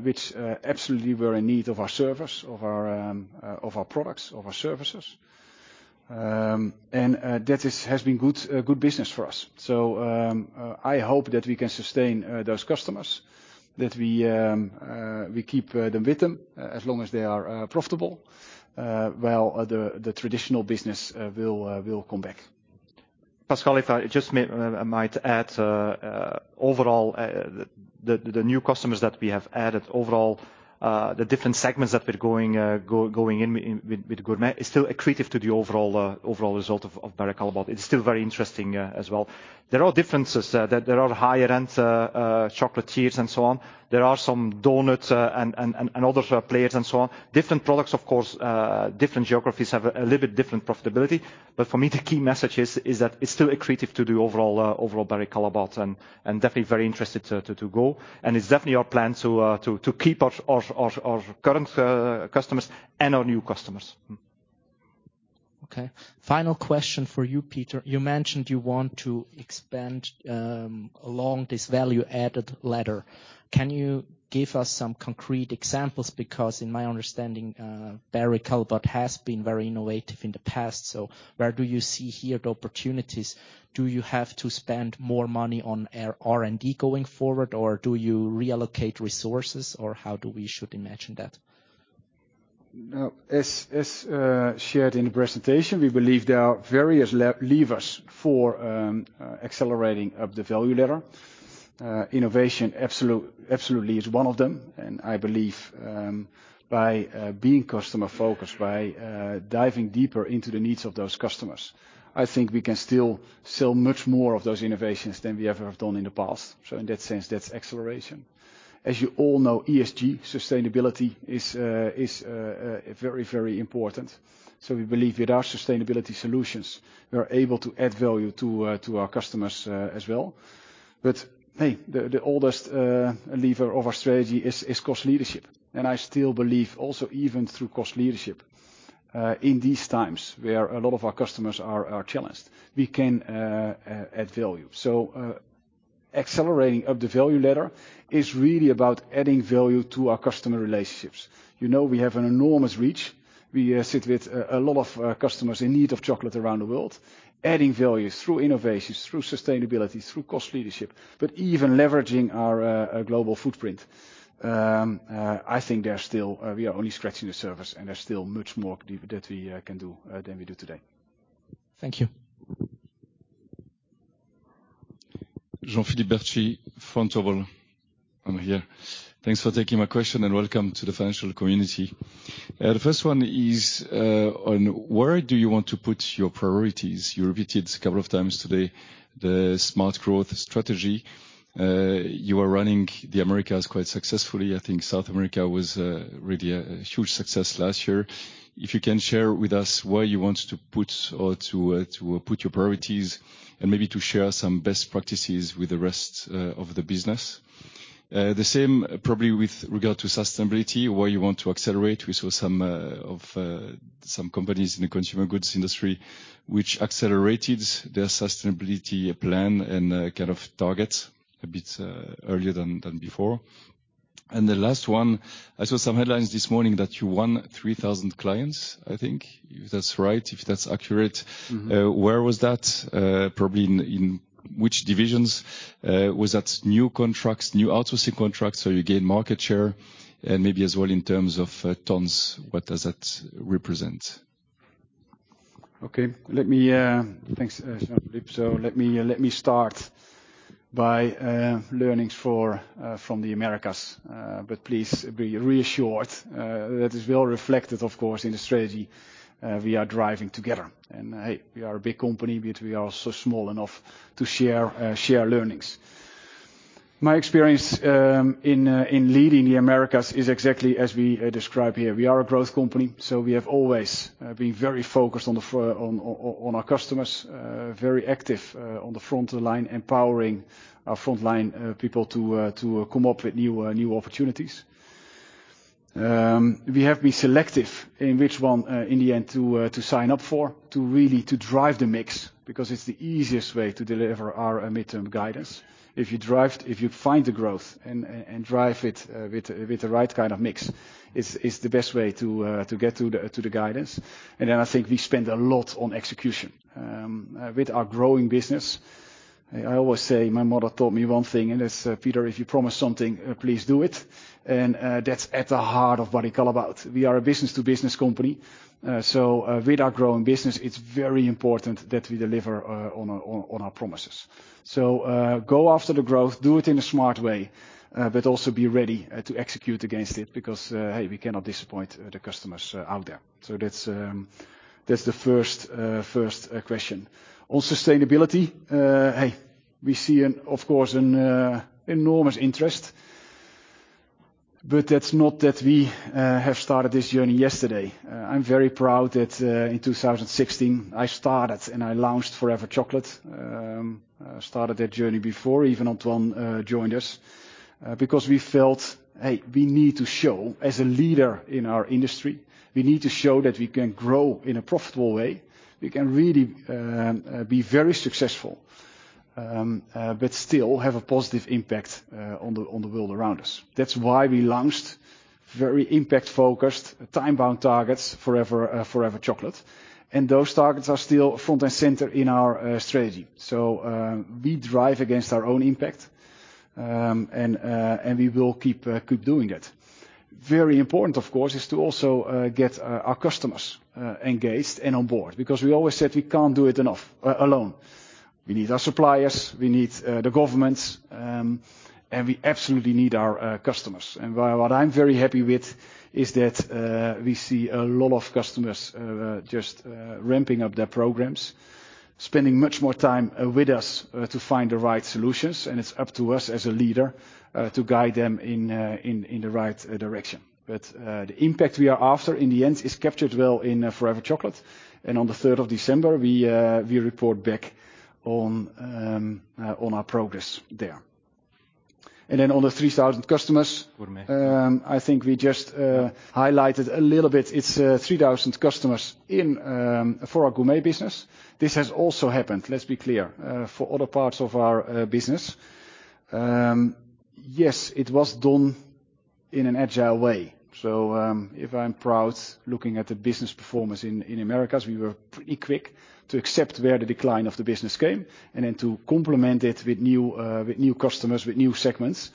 which absolutely were in need of our service, of our products, of our services. That has been good business for us. I hope that we can sustain those customers, that we keep them with us as long as they are profitable while the traditional business will come back. Pascal, if I just might add, overall, the new customers that we have added overall, the different segments that we're going in with gourmet is still accretive to the overall result of Barry Callebaut. It's still very interesting, as well. There are differences that there are higher-end chocolatiers and so on. There are some donuts and other players and so on. Different products, of course, different geographies have a little bit different profitability. But for me, the key message is that it's still accretive to the overall Barry Callebaut, and definitely very interested to go. It's definitely our plan to keep our current customers and our new customers. Okay. Final question for you, Peter. You mentioned you want to expand along this value-added ladder. Can you give us some concrete examples? Because in my understanding, Barry Callebaut has been very innovative in the past. So where do you see here the opportunities? Do you have to spend more money on R&D going forward, or do you reallocate resources, or how do we should imagine that? Now, as shared in the presentation, we believe there are various levers for accelerating up the value ladder. Innovation absolutely is one of them, and I believe by being customer-focused, by diving deeper into the needs of those customers, I think we can still sell much more of those innovations than we ever have done in the past. In that sense, that's acceleration. As you all know, ESG, sustainability is very, very important. We believe with our sustainability solutions, we are able to add value to our customers as well. Hey, the oldest lever of our strategy is cost leadership. I still believe also even through cost leadership in these times, where a lot of our customers are challenged, we can add value. Accelerating up the value ladder is really about adding value to our customer relationships. You know, we have an enormous reach. We sit with a lot of customers in need of chocolate around the world, adding value through innovations, through sustainability, through cost leadership, but even leveraging our global footprint. I think we are only scratching the surface, and there's still much more that we can do than we do today. Thank you. Jean-Philippe Bertschy, Vontobel. I'm here. Thanks for taking my question, and welcome to the financial community. The first one is on where do you want to put your priorities? You repeated a couple of times today the smart growth strategy. You are running the Americas quite successfully. I think South America was really a huge success last year. If you can share with us where you want to put your priorities and maybe to share some best practices with the rest of the business. The same probably with regard to sustainability, where you want to accelerate. We saw some companies in the consumer goods industry which accelerated their sustainability plan and kind of targets a bit earlier than before. The last one, I saw some headlines this morning that you won 3,000 clients, I think, if that's right, if that's accurate. Mm-hmm. Where was that? Probably in which divisions? Was that new contracts, new outsourcing contracts, so you gain market share? Maybe as well in terms of tons, what does that represent? Okay. Let me. Thanks, Jean-Philippe. Let me start by learnings from the Americas. Please be reassured that is well reflected, of course, in the strategy we are driving together. Hey, we are a big company, but we are so small enough to share learnings. My experience in leading the Americas is exactly as we describe here. We are a growth company. We have always been very focused on our customers, very active on the front line, empowering our frontline people to come up with new opportunities. We have been selective in which one, in the end to sign up for, to really drive the mix, because it's the easiest way to deliver our midterm guidance. If you find the growth and drive it with the right kind of mix, it's the best way to get to the guidance. I think we spend a lot on execution. With our growing business, I always say my mother taught me one thing, and that's Peter, if you promise something, please do it. That's at the heart of what it is all about. We are a business-to-business company. With our growing business, it's very important that we deliver on our promises. Go after the growth, do it in a smart way, but also be ready to execute against it because, hey, we cannot disappoint the customers out there. That's the first question. On sustainability, hey, we see an, of course, enormous interest. That's not that we have started this journey yesterday. I'm very proud that, in 2016, I started and I launched Forever Chocolate. Started that journey before even Antoine joined us, because we felt, hey, we need to show as a leader in our industry, we need to show that we can grow in a profitable way. We can really be very successful, but still have a positive impact on the world around us. That's why we launched very impact-focused time-bound targets, Forever Chocolate. Those targets are still front and center in our strategy. We drive against our own impact, and we will keep doing it. Very important, of course, is to also get our customers engaged and on board, because we always said we can't do it enough alone. We need our suppliers, we need the governments, and we absolutely need our customers. What I'm very happy with is that we see a lot of customers just ramping up their programs, spending much more time with us to find the right solutions. It's up to us as a leader to guide them in the right direction. The impact we are after in the end is captured well in Forever Chocolate. On the third of December, we report back on our progress there. Then on the 3,000 customers, I think we just highlighted a little bit. It's 3,000 customers in for our gourmet business. This has also happened, let's be clear, for other parts of our business. Yes, it was done in an agile way. If I'm proud looking at the business performance in Americas, we were pretty quick to accept where the decline of the business came, and then to complement it with new customers, with new segments.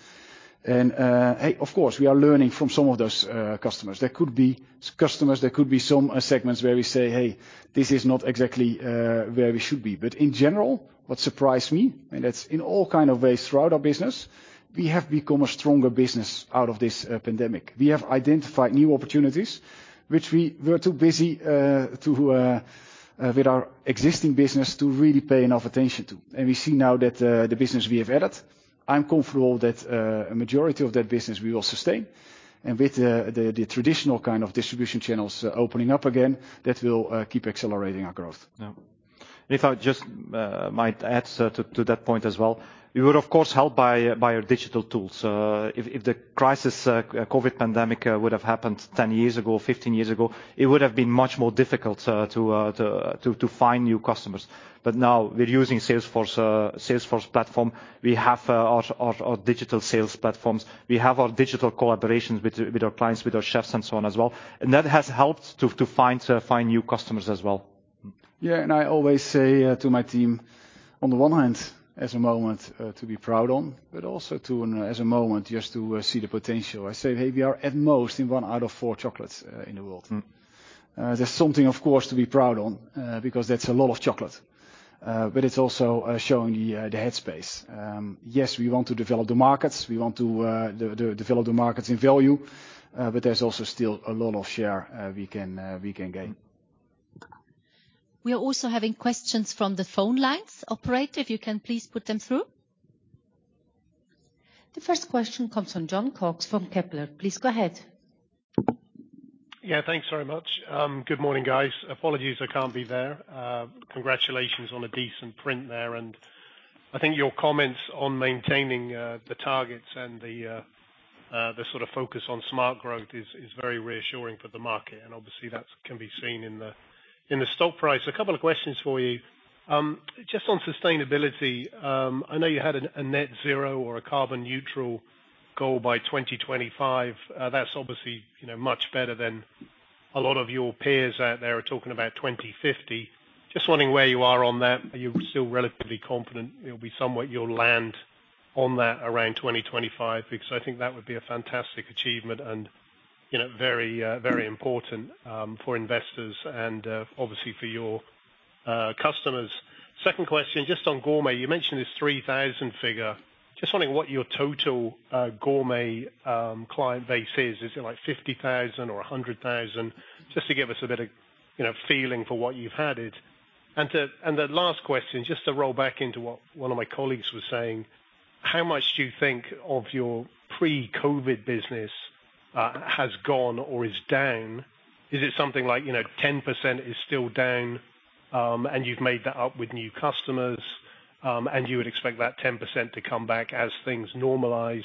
Hey, of course, we are learning from some of those customers. There could be customers, there could be some segments where we say, "Hey, this is not exactly where we should be." In general, what surprised me, and that's in all kind of ways throughout our business, we have become a stronger business out of this pandemic. We have identified new opportunities which we were too busy to with our existing business to really pay enough attention to. We see now that the business we have added, I'm confident that a majority of that business we will sustain. With the traditional kind of distribution channels opening up again, that will keep accelerating our growth. Yeah. If I just might add to that point as well. We were, of course, helped by our digital tools. If the crisis, COVID pandemic, would have happened 10 years ago, 15 years ago, it would have been much more difficult to find new customers. Now we're using Salesforce platform. We have our digital sales platforms. We have our digital collaborations with our clients, with our chefs and so on as well. That has helped to find new customers as well. Yeah. I always say to my team, on the one hand, it's a moment to be proud of, but also as a moment just to see the potential. I say, Hey, we are at most in one out of four chocolates in the world. Mm-hmm. That's something, of course, to be proud of, because that's a lot of chocolate. It's also showing the headspace. Yes, we want to develop the markets. We want to develop the markets in value, but there's also still a lot of share we can gain. We are also having questions from the phone lines. Operator, if you can please put them through. The first question comes from Jon Cox from Kepler. Please go ahead. Yeah, thanks very much. Good morning, guys. Apologies I can't be there. Congratulations on a decent print there. I think your comments on maintaining the targets and the sort of focus on smart growth is very reassuring for the market, and obviously that can be seen in the stock price. A couple of questions for you. Just on sustainability, I know you had a net zero or a carbon neutral goal by 2025. That's obviously, you know, much better than a lot of your peers out there are talking about 2050. Just wondering where you are on that. Are you still relatively confident you'll land on that around 2025? Because I think that would be a fantastic achievement and, you know, very important for investors and, obviously for your customers. Second question, just on Gourmet. You mentioned this 3,000 figure. Just wondering what your total Gourmet client base is. Is it like 50,000 or 100,000? Just to give us a bit of, you know, feeling for what you've added. The last question, just to roll back into what one of my colleagues was saying, how much do you think of your pre-COVID business has gone or is down? Is it something like, you know, 10% is still down, and you've made that up with new customers, and you would expect that 10% to come back as things normalize,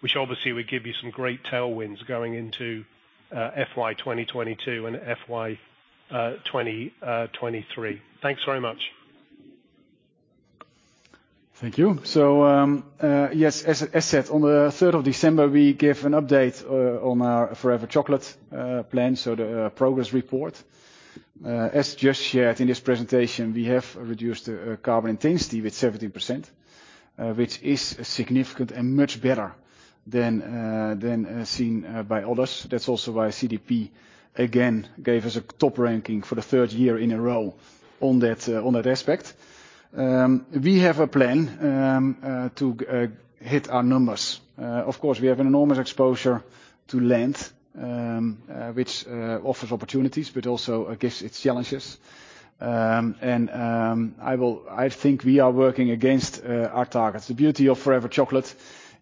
which obviously would give you some great tailwinds going into FY 2022 and FY 2023? Thanks very much. Thank you. Yes, as said, on the third of December, we give an update on our Forever Chocolate plan, so the progress report. As just shared in this presentation, we have reduced carbon intensity with 70%, which is significant and much better than seen by others. That's also why CDP again gave us a top ranking for the third year in a row on that aspect. We have a plan to hit our numbers. Of course, we have an enormous exposure to land, which offers opportunities, but also gives its challenges. I think we are working against our targets. The beauty of Forever Chocolate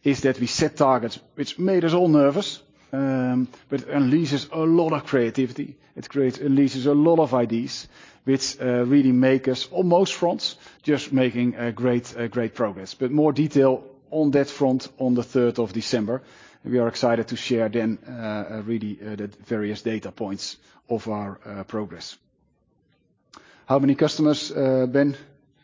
is that we set targets which made us all nervous, but unleashes a lot of creativity. Unleashes a lot of ideas which really make us on most fronts just making great progress. More detail on that front on the third of December. We are excited to share then really the various data points of our progress. How many customers, Ben?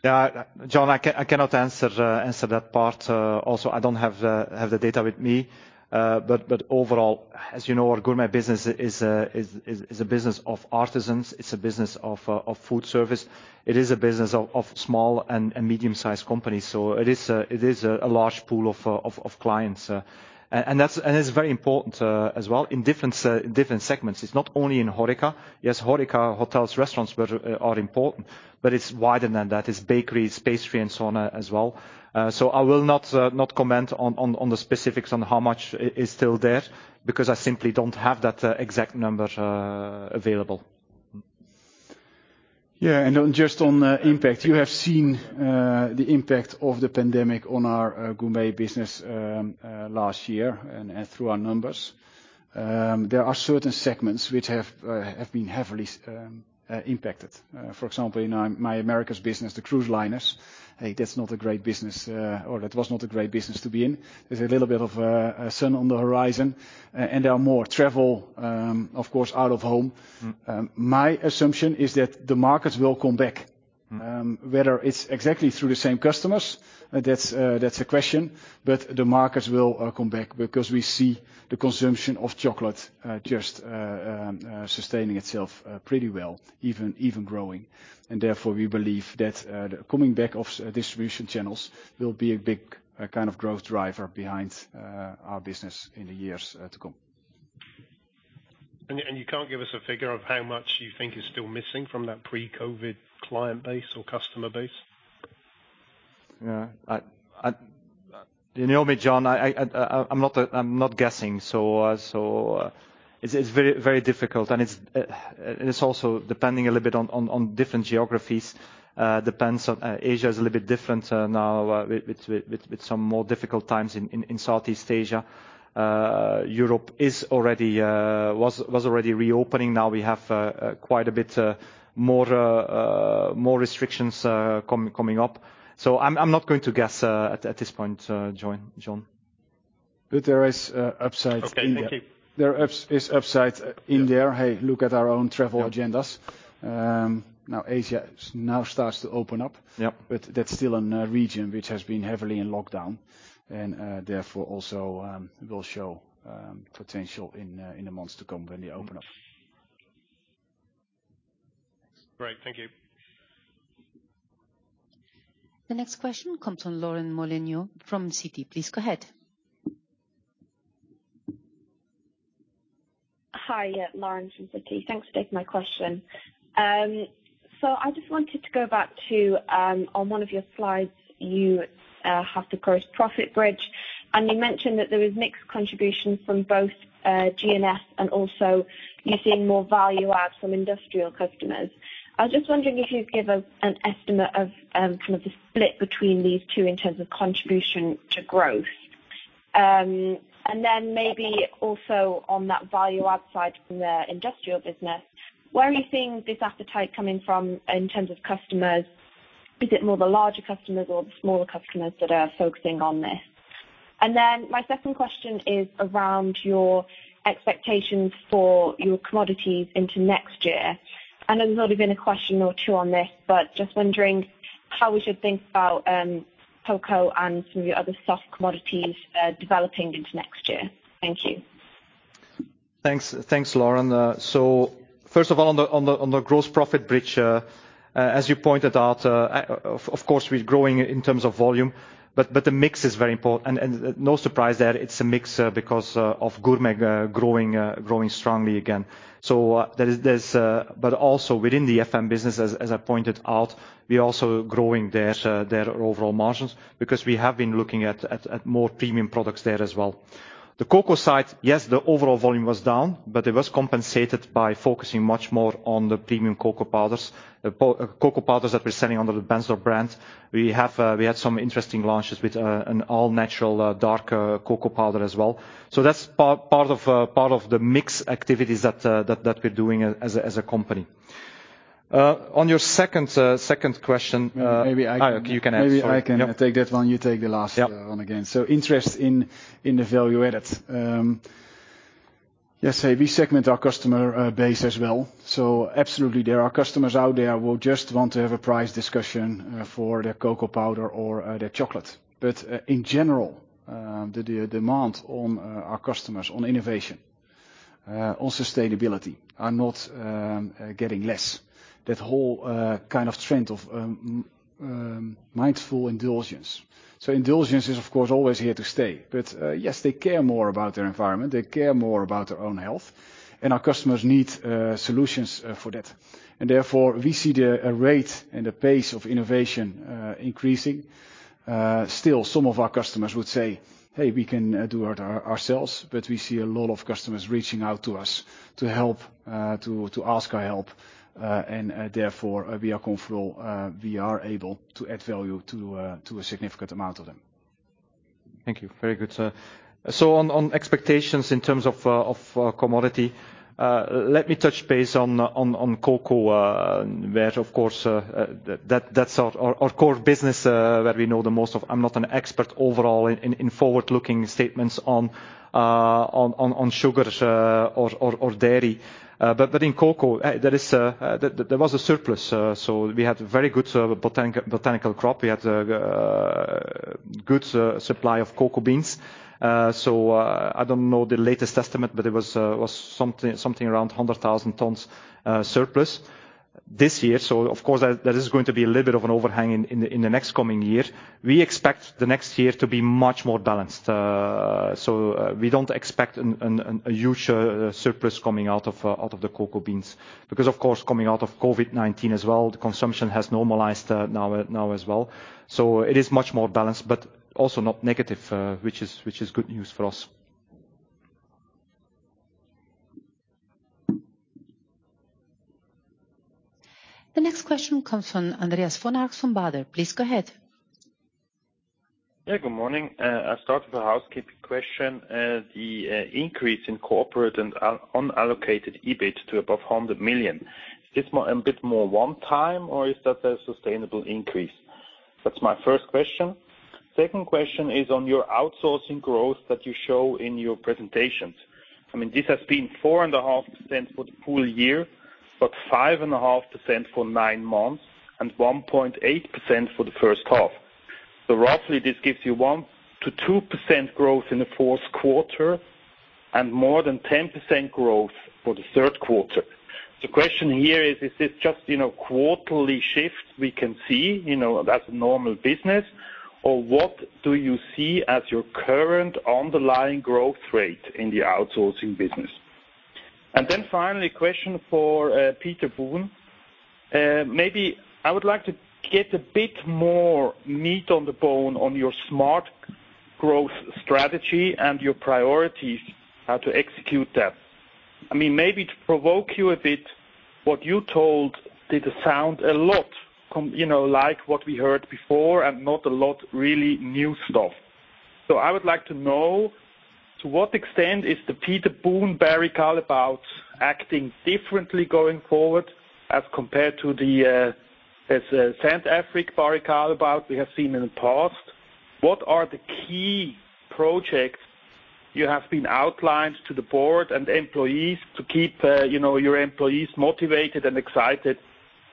Yeah. John, I cannot answer that part. Also, I don't have the data with me. Overall, as you know, our Gourmet business is a business of artisans. It's a business of food service. It is a business of small and medium-sized companies. It is a large pool of clients. And that's important as well in different segments. It's not only in HORECA. Yes, HORECA, hotels, restaurants but are important, but it's wider than that. It's bakeries, pastry and so on, as well. I will not comment on the specifics on how much is still there, because I simply don't have that exact number available. Yeah. Just on impact, you have seen the impact of the pandemic on our Gourmet business last year and through our numbers. There are certain segments which have been heavily impacted. For example, in my Americas business, the cruise liners, hey, that's not a great business or that was not a great business to be in. There's a little bit of sun on the horizon, and there are more travel, of course, out of home. Mm-hmm. My assumption is that the markets will come back. Mm-hmm. Whether it's exactly through the same customers, that's a question, but the markets will come back because we see the consumption of chocolate just sustaining itself pretty well, even growing. Therefore, we believe that the coming back of distribution channels will be a big kind of growth driver behind our business in the years to come. You can't give us a figure of how much you think is still missing from that pre-COVID client base or customer base? Yeah. You know me, John. I'm not guessing. It's very difficult. It's also depending a little bit on different geographies. It depends on Asia, which is a little bit different now with some more difficult times in Southeast Asia. Europe was already reopening. Now we have quite a bit more restrictions coming up. I'm not going to guess at this point, John. There is upside in there. Okay, thank you. There is upside in there. Hey, look at our own travel agendas. Now Asia starts to open up. Yep. That's still a region which has been heavily in lockdown, and therefore also will show potential in the months to come when they open up. Great. Thank you. The next question comes from Lauren Molyneux from Citi. Please go ahead. Hi. Lauren from Citi. Thanks for taking my question. I just wanted to go back to, on one of your slides, you have the gross profit bridge, and you mentioned that there was mixed contribution from both, GNS and also you're seeing more value add from industrial customers. I was just wondering if you could give us an estimate of, kind of the split between these two in terms of contribution to growth. Maybe also on that value add side from the industrial business, where are you seeing this appetite coming from in terms of customers? Is it more the larger customers or the smaller customers that are focusing on this? My second question is around your expectations for your commodities into next year. I know there's already been a question or two on this, but just wondering how we should think about cocoa and some of your other soft commodities developing into next year. Thank you. Thanks. Thanks, Lauren. First of all, on the gross profit bridge, as you pointed out, of course, we're growing in terms of volume, but the mix is very important. No surprise there, it's a mix because of Gourmet growing strongly again. There's but also within the FM business, as I pointed out, we're also growing their overall margins because we have been looking at more premium products there as well. The cocoa side, yes, the overall volume was down, but it was compensated by focusing much more on the premium cocoa powders, the cocoa powders that we're selling under the Bensdorp brand. We had some interesting launches with an all-natural dark cocoa powder as well. That's part of the mix activities that we're doing as a company. On your second question, Maybe I can- You can answer. Maybe I can take that one. You take the last. Yeah. One again. Interest in the value add. Yes, we segment our customer base as well. Absolutely, there are customers out there who just want to have a price discussion for their cocoa powder or their chocolate. In general, the demand on our customers on innovation. On sustainability are not getting less. That whole kind of trend of Mindful Indulgence. Indulgence is, of course, always here to stay. Yes, they care more about their environment, they care more about their own health, and our customers need solutions for that. Therefore, we see a rate and the pace of innovation increasing. Still, some of our customers would say, Hey, we can do it ourselves. We see a lot of customers reaching out to us to help to ask our help. Therefore, we are comfortable we are able to add value to a significant amount of them. Thank you. Very good, sir. On expectations in terms of commodity, let me touch base on cocoa, where, of course, that's our core business, where we know the most of. I'm not an expert overall in forward-looking statements on sugars or dairy. In cocoa, there was a surplus, so we had very good botanical crop. We had good supply of cocoa beans. I don't know the latest estimate, but it was something around 100,000 tons surplus this year. Of course there is going to be a little bit of an overhang in the next coming year. We expect the next year to be much more balanced. We don't expect a huge surplus coming out of the cocoa beans, because of course, coming out of COVID-19 as well, the consumption has normalized now as well. It is much more balanced, but also not negative, which is good news for us. The next question comes from Andreas von Arx from Baader. Please go ahead. Yeah, good morning. I'll start with a housekeeping question. The increase in corporate and unallocated EBIT to above 100 million, is this more, a bit more one-time, or is that a sustainable increase? That's my first question. Second question is on your outsourcing growth that you show in your presentations. I mean, this has been 4.5% for the full year, but 5.5% for nine months and 1.8% for the first half. Roughly, this gives you 1%-2% growth in the fourth quarter and more than 10% growth for the third quarter. The question here is this just, you know, quarterly shifts we can see, you know, as normal business? Or what do you see as your current underlying growth rate in the outsourcing business? Then finally, a question for Peter Boone. Maybe I would like to get a bit more meat on the bone on your smart growth strategy and your priorities, how to execute that. I mean, maybe to provoke you a bit, what you told did sound a lot you know, like what we heard before and not a lot really new stuff. I would like to know, to what extent is the Peter Boone Barry Callebaut acting differently going forward as compared to the as de Saint-Affrique Barry Callebaut we have seen in the past? What are the key projects you have been outlined to the board and employees to keep you know your employees motivated and excited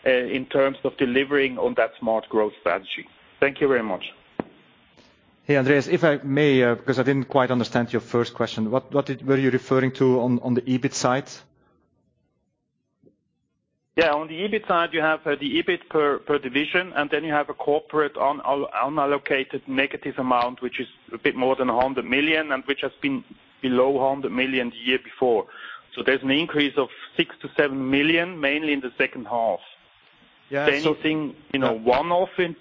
in terms of delivering on that smart growth strategy? Thank you very much. Hey, Andreas, if I may, 'cause I didn't quite understand your first question. What were you referring to on the EBIT side? On the EBIT side, you have the EBIT per division, and then you have a corporate unallocated negative amount, which is a bit more than 100 million and which has been below 100 million the year before. There's an increase of 6 million-7 million, mainly in the second half. Yeah. Is there anything, you know, one-off in?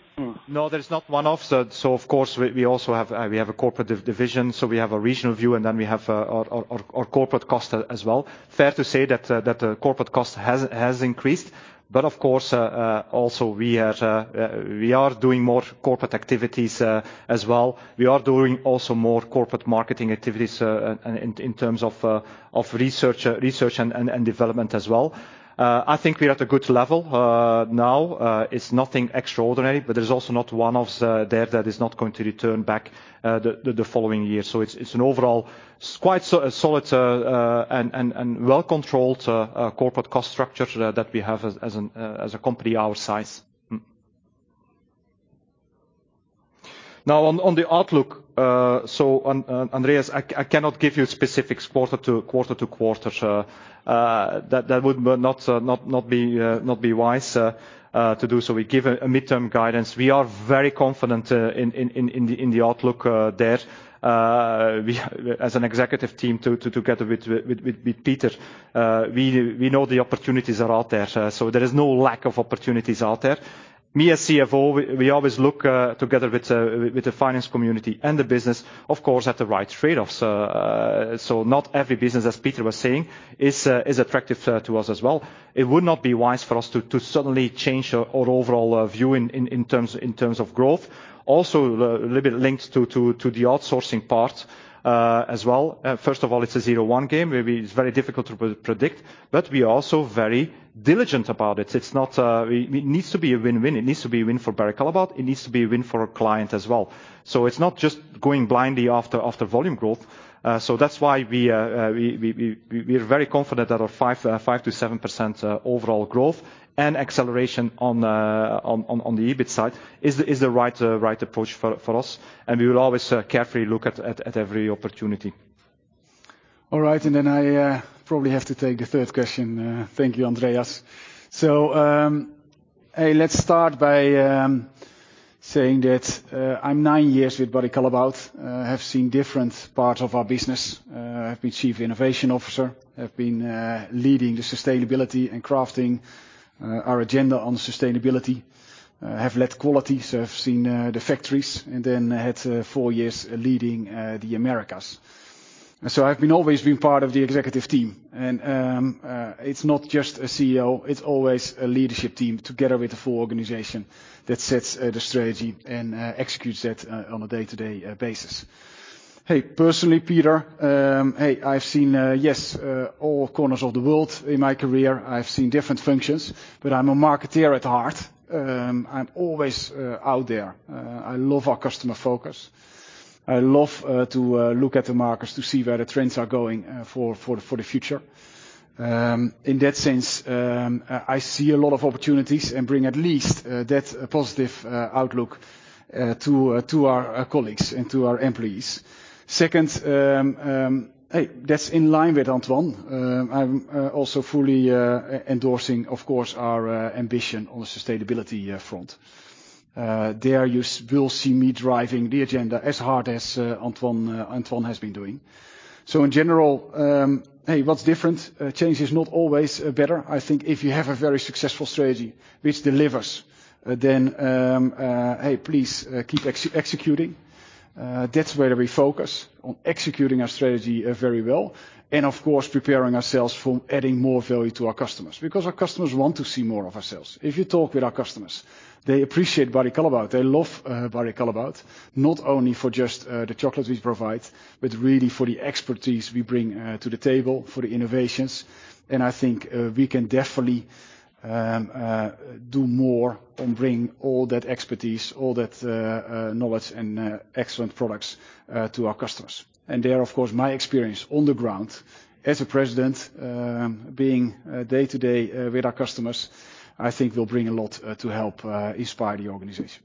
No, there is not one-off. Of course we also have a corporate division, so we have a regional view, and then we have our corporate cost as well. Fair to say that the corporate cost has increased. Of course also we are doing more corporate activities as well. We are doing also more corporate marketing activities in terms of research and development as well. I think we're at a good level now. It's nothing extraordinary, but there's also not one-offs there that is not going to return back the following year. It's an overall quite solid and well-controlled corporate cost structure that we have as a company our size. Now, on the outlook. Andreas, I cannot give you specifics quarter-to-quarter, that would not be wise to do so. We give a mid-term guidance. We are very confident in the outlook there. We as an executive team, together with Pieter, know the opportunities are out there. There is no lack of opportunities out there. Me as CFO, we always look together with the finance community and the business, of course, at the right trade-offs. Not every business, as Pieter was saying, is attractive to us as well. It would not be wise for us to suddenly change our overall view in terms of growth. Also, a little bit linked to the outsourcing part, as well. First of all, it's a zero-sum game. It's very difficult to predict, but we are also very diligent about it. It's not. It needs to be a win-win. It needs to be a win for Barry Callebaut. It needs to be a win for our client as well. It's not just going blindly after volume growth. That's why we are very confident that our 5%-7% overall growth and acceleration on the EBIT side is the right approach for us, and we will always carefully look at every opportunity. All right, I probably have to take the third question. Thank you, Andreas. Hey, let's start by saying that I'm nine years with Barry Callebaut and have seen different parts of our business. I've been chief innovation officer, I've been leading the sustainability and crafting our agenda on sustainability. Have led quality, so I've seen the factories, and then I had four years leading the Americas. I've always been part of the executive team, and it's not just a CEO, it's always a leadership team together with the full organization that sets the strategy and executes that on a day-to-day basis. Hey, personally, Peter, hey, I've seen, yes, all corners of the world in my career. I've seen different functions, but I'm a marketer at heart. I'm always out there. I love our customer focus. I love to look at the markets to see where the trends are going for the future. In that sense, I see a lot of opportunities and bring at least that positive outlook to our colleagues and to our employees. Second, hey, that's in line with Antoine. I'm also fully endorsing, of course, our ambition on the sustainability front. There, you will see me driving the agenda as hard as Antoine has been doing. In general, hey, what's different? Change is not always better. I think if you have a very successful strategy which delivers, then, hey, please, keep executing. That's where we focus, on executing our strategy, very well, and of course, preparing ourselves for adding more value to our customers. Because our customers want to see more of ourselves. If you talk with our customers, they appreciate Barry Callebaut. They love Barry Callebaut, not only for just the chocolate we provide, but really for the expertise we bring to the table, for the innovations. I think we can definitely do more and bring all that expertise, all that knowledge and excellent products to our customers. There, of course, my experience on the ground as a president, being day-to-day with our customers, I think will bring a lot to help inspire the organization.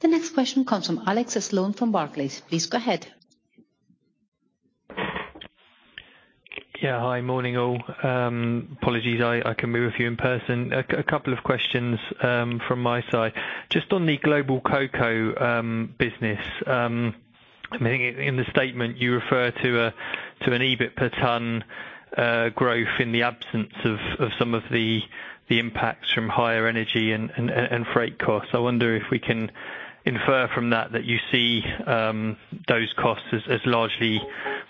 The next question comes from Alex Sloane from Barclays. Please go ahead. Yeah. Hi. Morning, all. Apologies I can't be with you in person. A couple of questions from my side. Just on the global cocoa business. I mean, in the statement you refer to an EBIT per ton growth in the absence of some of the impacts from higher energy and freight costs. I wonder if we can infer from that that you see those costs as largely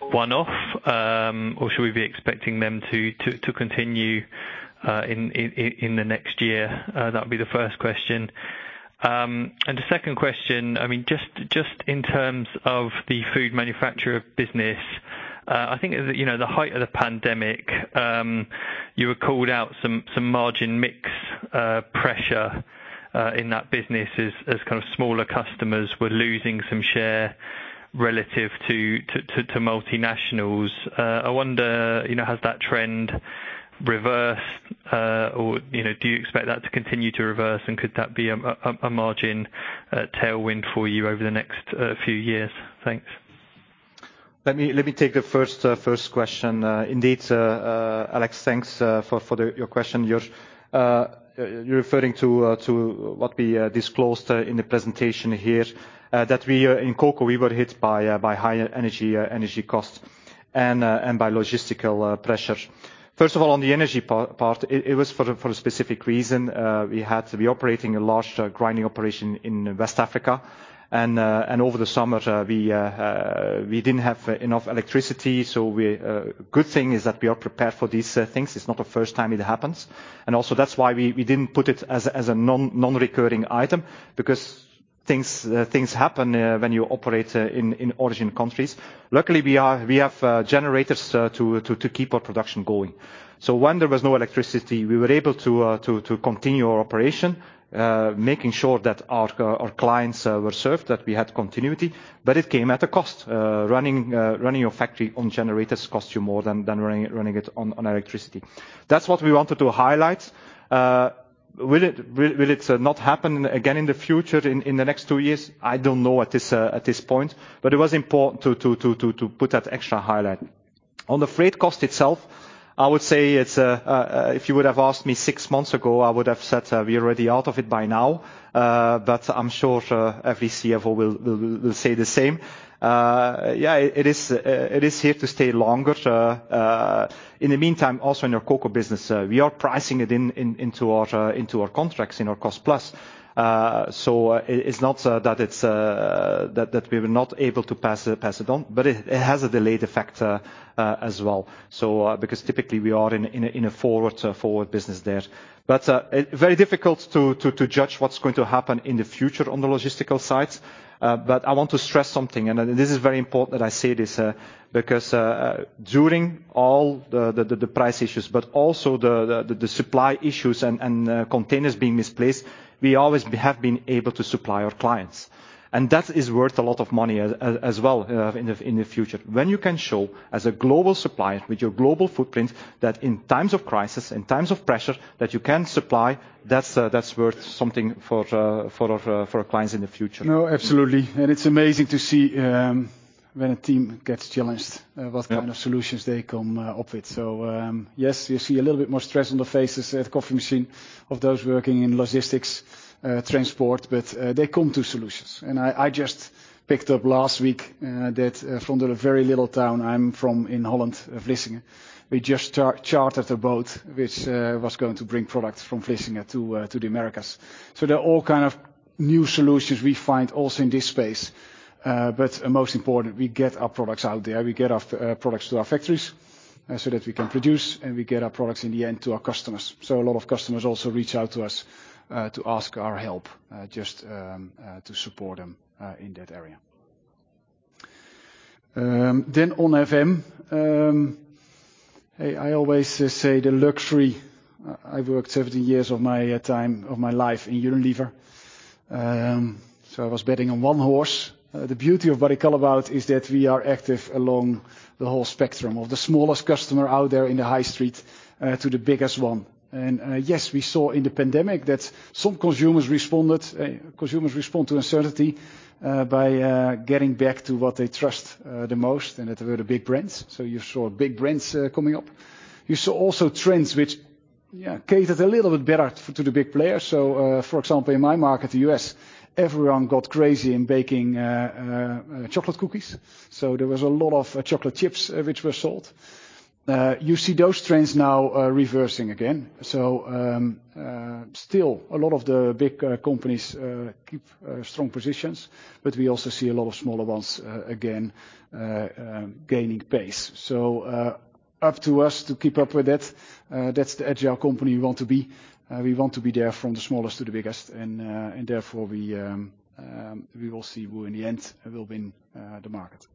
one-off or should we be expecting them to continue in the next year? That would be the first question. The second question, I mean, just in terms of the food manufacturer business, I think, you know, the height of the pandemic, you had called out some margin mix pressure in that business as kind of smaller customers were losing some share relative to multinationals. I wonder, you know, has that trend reversed? Or, you know, do you expect that to continue to reverse and could that be a margin tailwind for you over the next few years? Thanks. Let me take the first question. Indeed, Alex, thanks for your question. You're referring to what we disclosed in the presentation here, that we in cocoa were hit by higher energy costs and by logistical pressure. First of all, on the energy part, it was for a specific reason. We had to be operating a large grinding operation in West Africa. Over the summer, we didn't have enough electricity. Good thing is that we are prepared for these things. It's not the first time it happens. Also that's why we didn't put it as a non-recurring item because things happen when you operate in origin countries. Luckily, we have generators to keep our production going. When there was no electricity, we were able to continue our operation, making sure that our clients were served, that we had continuity. It came at a cost. Running your factory on generators costs you more than running it on electricity. That's what we wanted to highlight. Will it not happen again in the future, in the next two years? I don't know at this point, but it was important to put that extra highlight. On the freight cost itself, I would say it's if you would have asked me six months ago, I would have said we're already out of it by now, but I'm sure every CFO will say the same. Yeah, it is here to stay longer. In the meantime, also in our cocoa business, we are pricing it into our contracts in our cost-plus. So, it's not that it's that we were not able to pass it on, but it has a delayed effect as well. So, because typically we are in a forward business there. But very difficult to judge what's going to happen in the future on the logistical side. I want to stress something, and this is very important that I say this, because during all the price issues, but also the supply issues and containers being misplaced, we always have been able to supply our clients. That is worth a lot of money as well in the future. When you can show as a global supplier with your global footprint that in times of crisis, in times of pressure, that you can supply, that's worth something for our clients in the future. No, absolutely. It's amazing to see when a team gets challenged. Yeah What kind of solutions they come up with. Yes, you see a little bit more stress on the faces at coffee machine of those working in logistics, transport, but they come to solutions. I just picked up last week that from the very little town I'm from in Holland, Vlissingen, we just chartered a boat which was going to bring products from Vlissingen to the Americas. They're all kind of new solutions we find also in this space. Most important, we get our products out there. We get our products to our factories so that we can produce, and we get our products in the end to our customers. A lot of customers also reach out to us to ask our help just to support them in that area. On FM. I always say the luxury. I worked 17 years of my time of my life in Unilever. I was betting on one horse. The beauty of Barry Callebaut is that we are active along the whole spectrum, of the smallest customer out there in the high street to the biggest one. Yes, we saw in the pandemic that some consumers responded, consumers respond to uncertainty by getting back to what they trust the most, and that were the big brands. You saw big brands coming up. You saw also trends which catered a little bit better to the big players. For example, in my market, the U.S., everyone got crazy in baking chocolate cookies. There was a lot of chocolate chips which were sold. You see those trends now reversing again. Still a lot of the big companies keep strong positions, but we also see a lot of smaller ones again gaining pace. Up to us to keep up with that. That's the agile company we want to be. We want to be there from the smallest to the biggest, and therefore we will see who in the end will win the market.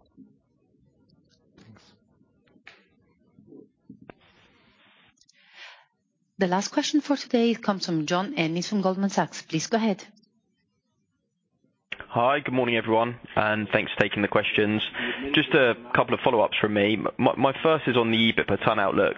Thanks. The last question for today comes from John Ennis from Goldman Sachs. Please go ahead. Hi, good morning, everyone, and thanks for taking the questions. Just a couple of follow-ups from me. My first is on the EBIT per ton outlook.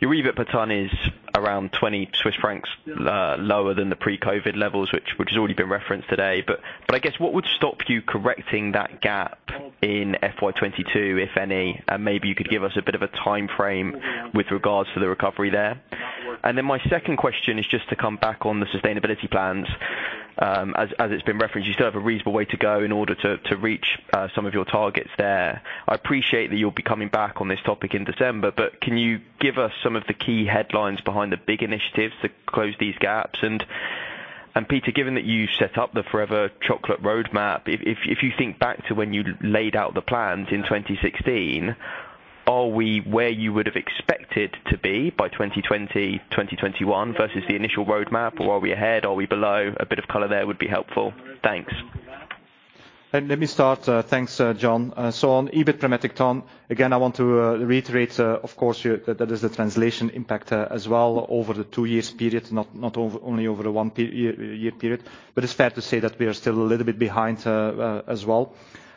Your EBIT per ton is around 20 Swiss francs lower than the pre-COVID levels, which has already been referenced today. I guess what would stop you correcting that gap in FY 2022, if any? Maybe you could give us a bit of a timeframe with regards to the recovery there. My second question is just to come back on the sustainability plans. As it's been referenced, you still have a reasonable way to go in order to reach some of your targets there. I appreciate that you'll be coming back on this topic in December, but can you give us some of the key headlines behind the big initiatives to close these gaps? Peter, given that you set up the Forever Chocolate roadmap, if you think back to when you laid out the plans in 2016, are we where you would have expected to be by 2020, 2021 versus the initial roadmap? Or are we ahead? Are we below? A bit of color there would be helpful. Thanks. Let me start. Thanks, John. So on EBIT per metric ton, again, I want to reiterate, of course, that is a translation impact, as well over the 2-year period, not over only over a 1-year period. But it's fair to say that we are still a little bit behind, as well.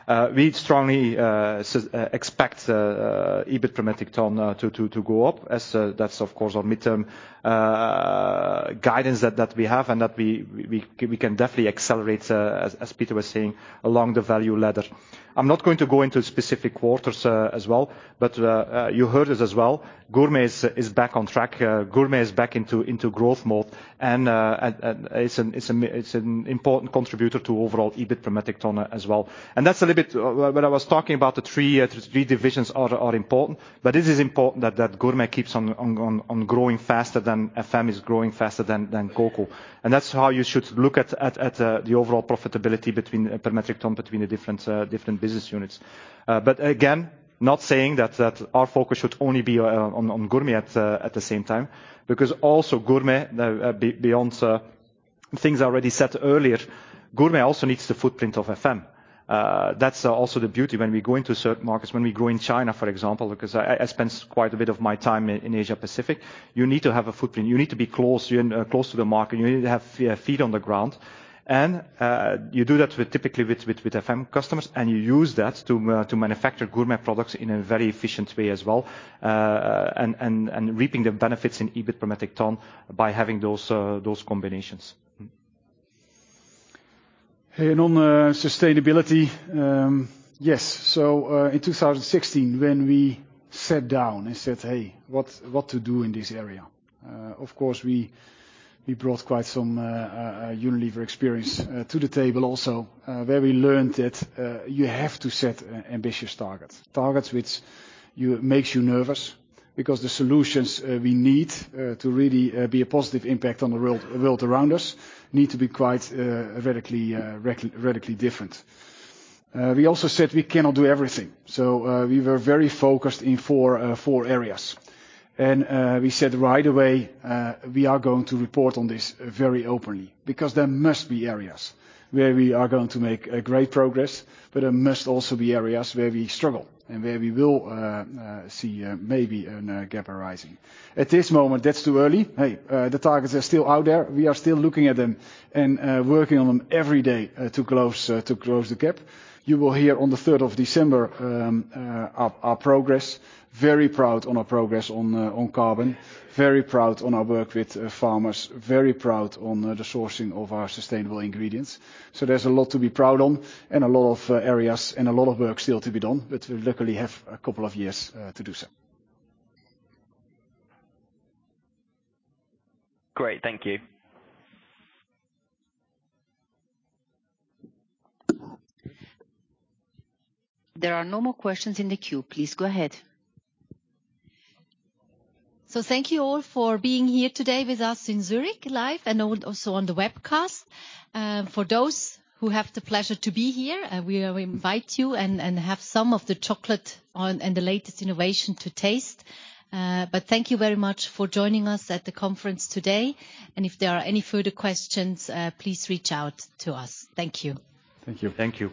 We strongly expect EBIT per metric ton to go up, as that's of course our mid-term guidance that we have and that we can definitely accelerate, as Peter was saying, along the value ladder. I'm not going to go into specific quarters, as well, but you heard it as well. Gourmet is back on track. Gourmet is back into growth mode, and it's an important contributor to overall EBIT per metric ton as well. That's a little bit when I was talking about the three divisions are important, but it is important that Gourmet keeps on growing faster than FM is growing faster than Cocoa. That's how you should look at the overall profitability per metric ton between the different business units. But again, not saying that our focus should only be on Gourmet at the same time, because also Gourmet, beyond things already said earlier, Gourmet also needs the footprint of FM. That's also the beauty when we go into certain markets, when we grow in China, for example, because I spend quite a bit of my time in Asia-Pacific. You need to have a footprint. You need to be close, you're close to the market. You need to have feet on the ground. You do that typically with FM customers, and you use that to manufacture Gourmet products in a very efficient way as well, and reaping the benefits in EBIT per metric ton by having those combinations. On sustainability, yes. In 2016, when we sat down and said, "Hey, what to do in this area?" Of course, we brought quite some Unilever experience to the table also, where we learned that you have to set ambitious targets. Targets which make you nervous because the solutions we need to really be a positive impact on the world around us need to be quite radically different. We also said we cannot do everything. We were very focused in four areas. We said right away we are going to report on this very openly because there must be areas where we are going to make great progress, but there must also be areas where we struggle and where we will see maybe a gap arising. At this moment, that's too early. Hey, the targets are still out there. We are still looking at them and working on them every day to close the gap. You will hear on the third of December our progress. Very proud on our progress on carbon. Very proud on our work with farmers. Very proud on the sourcing of our sustainable ingredients. There's a lot to be proud on and a lot of areas and a lot of work still to be done, but we luckily have a couple of years to do so. Great. Thank you. There are no more questions in the queue. Please go ahead. Thank you all for being here today with us in Zurich, live and also on the webcast. For those who have the pleasure to be here, we invite you and have some of the chocolate and the latest innovation to taste. But thank you very much for joining us at the conference today. If there are any further questions, please reach out to us. Thank you. Thank you. Thank you.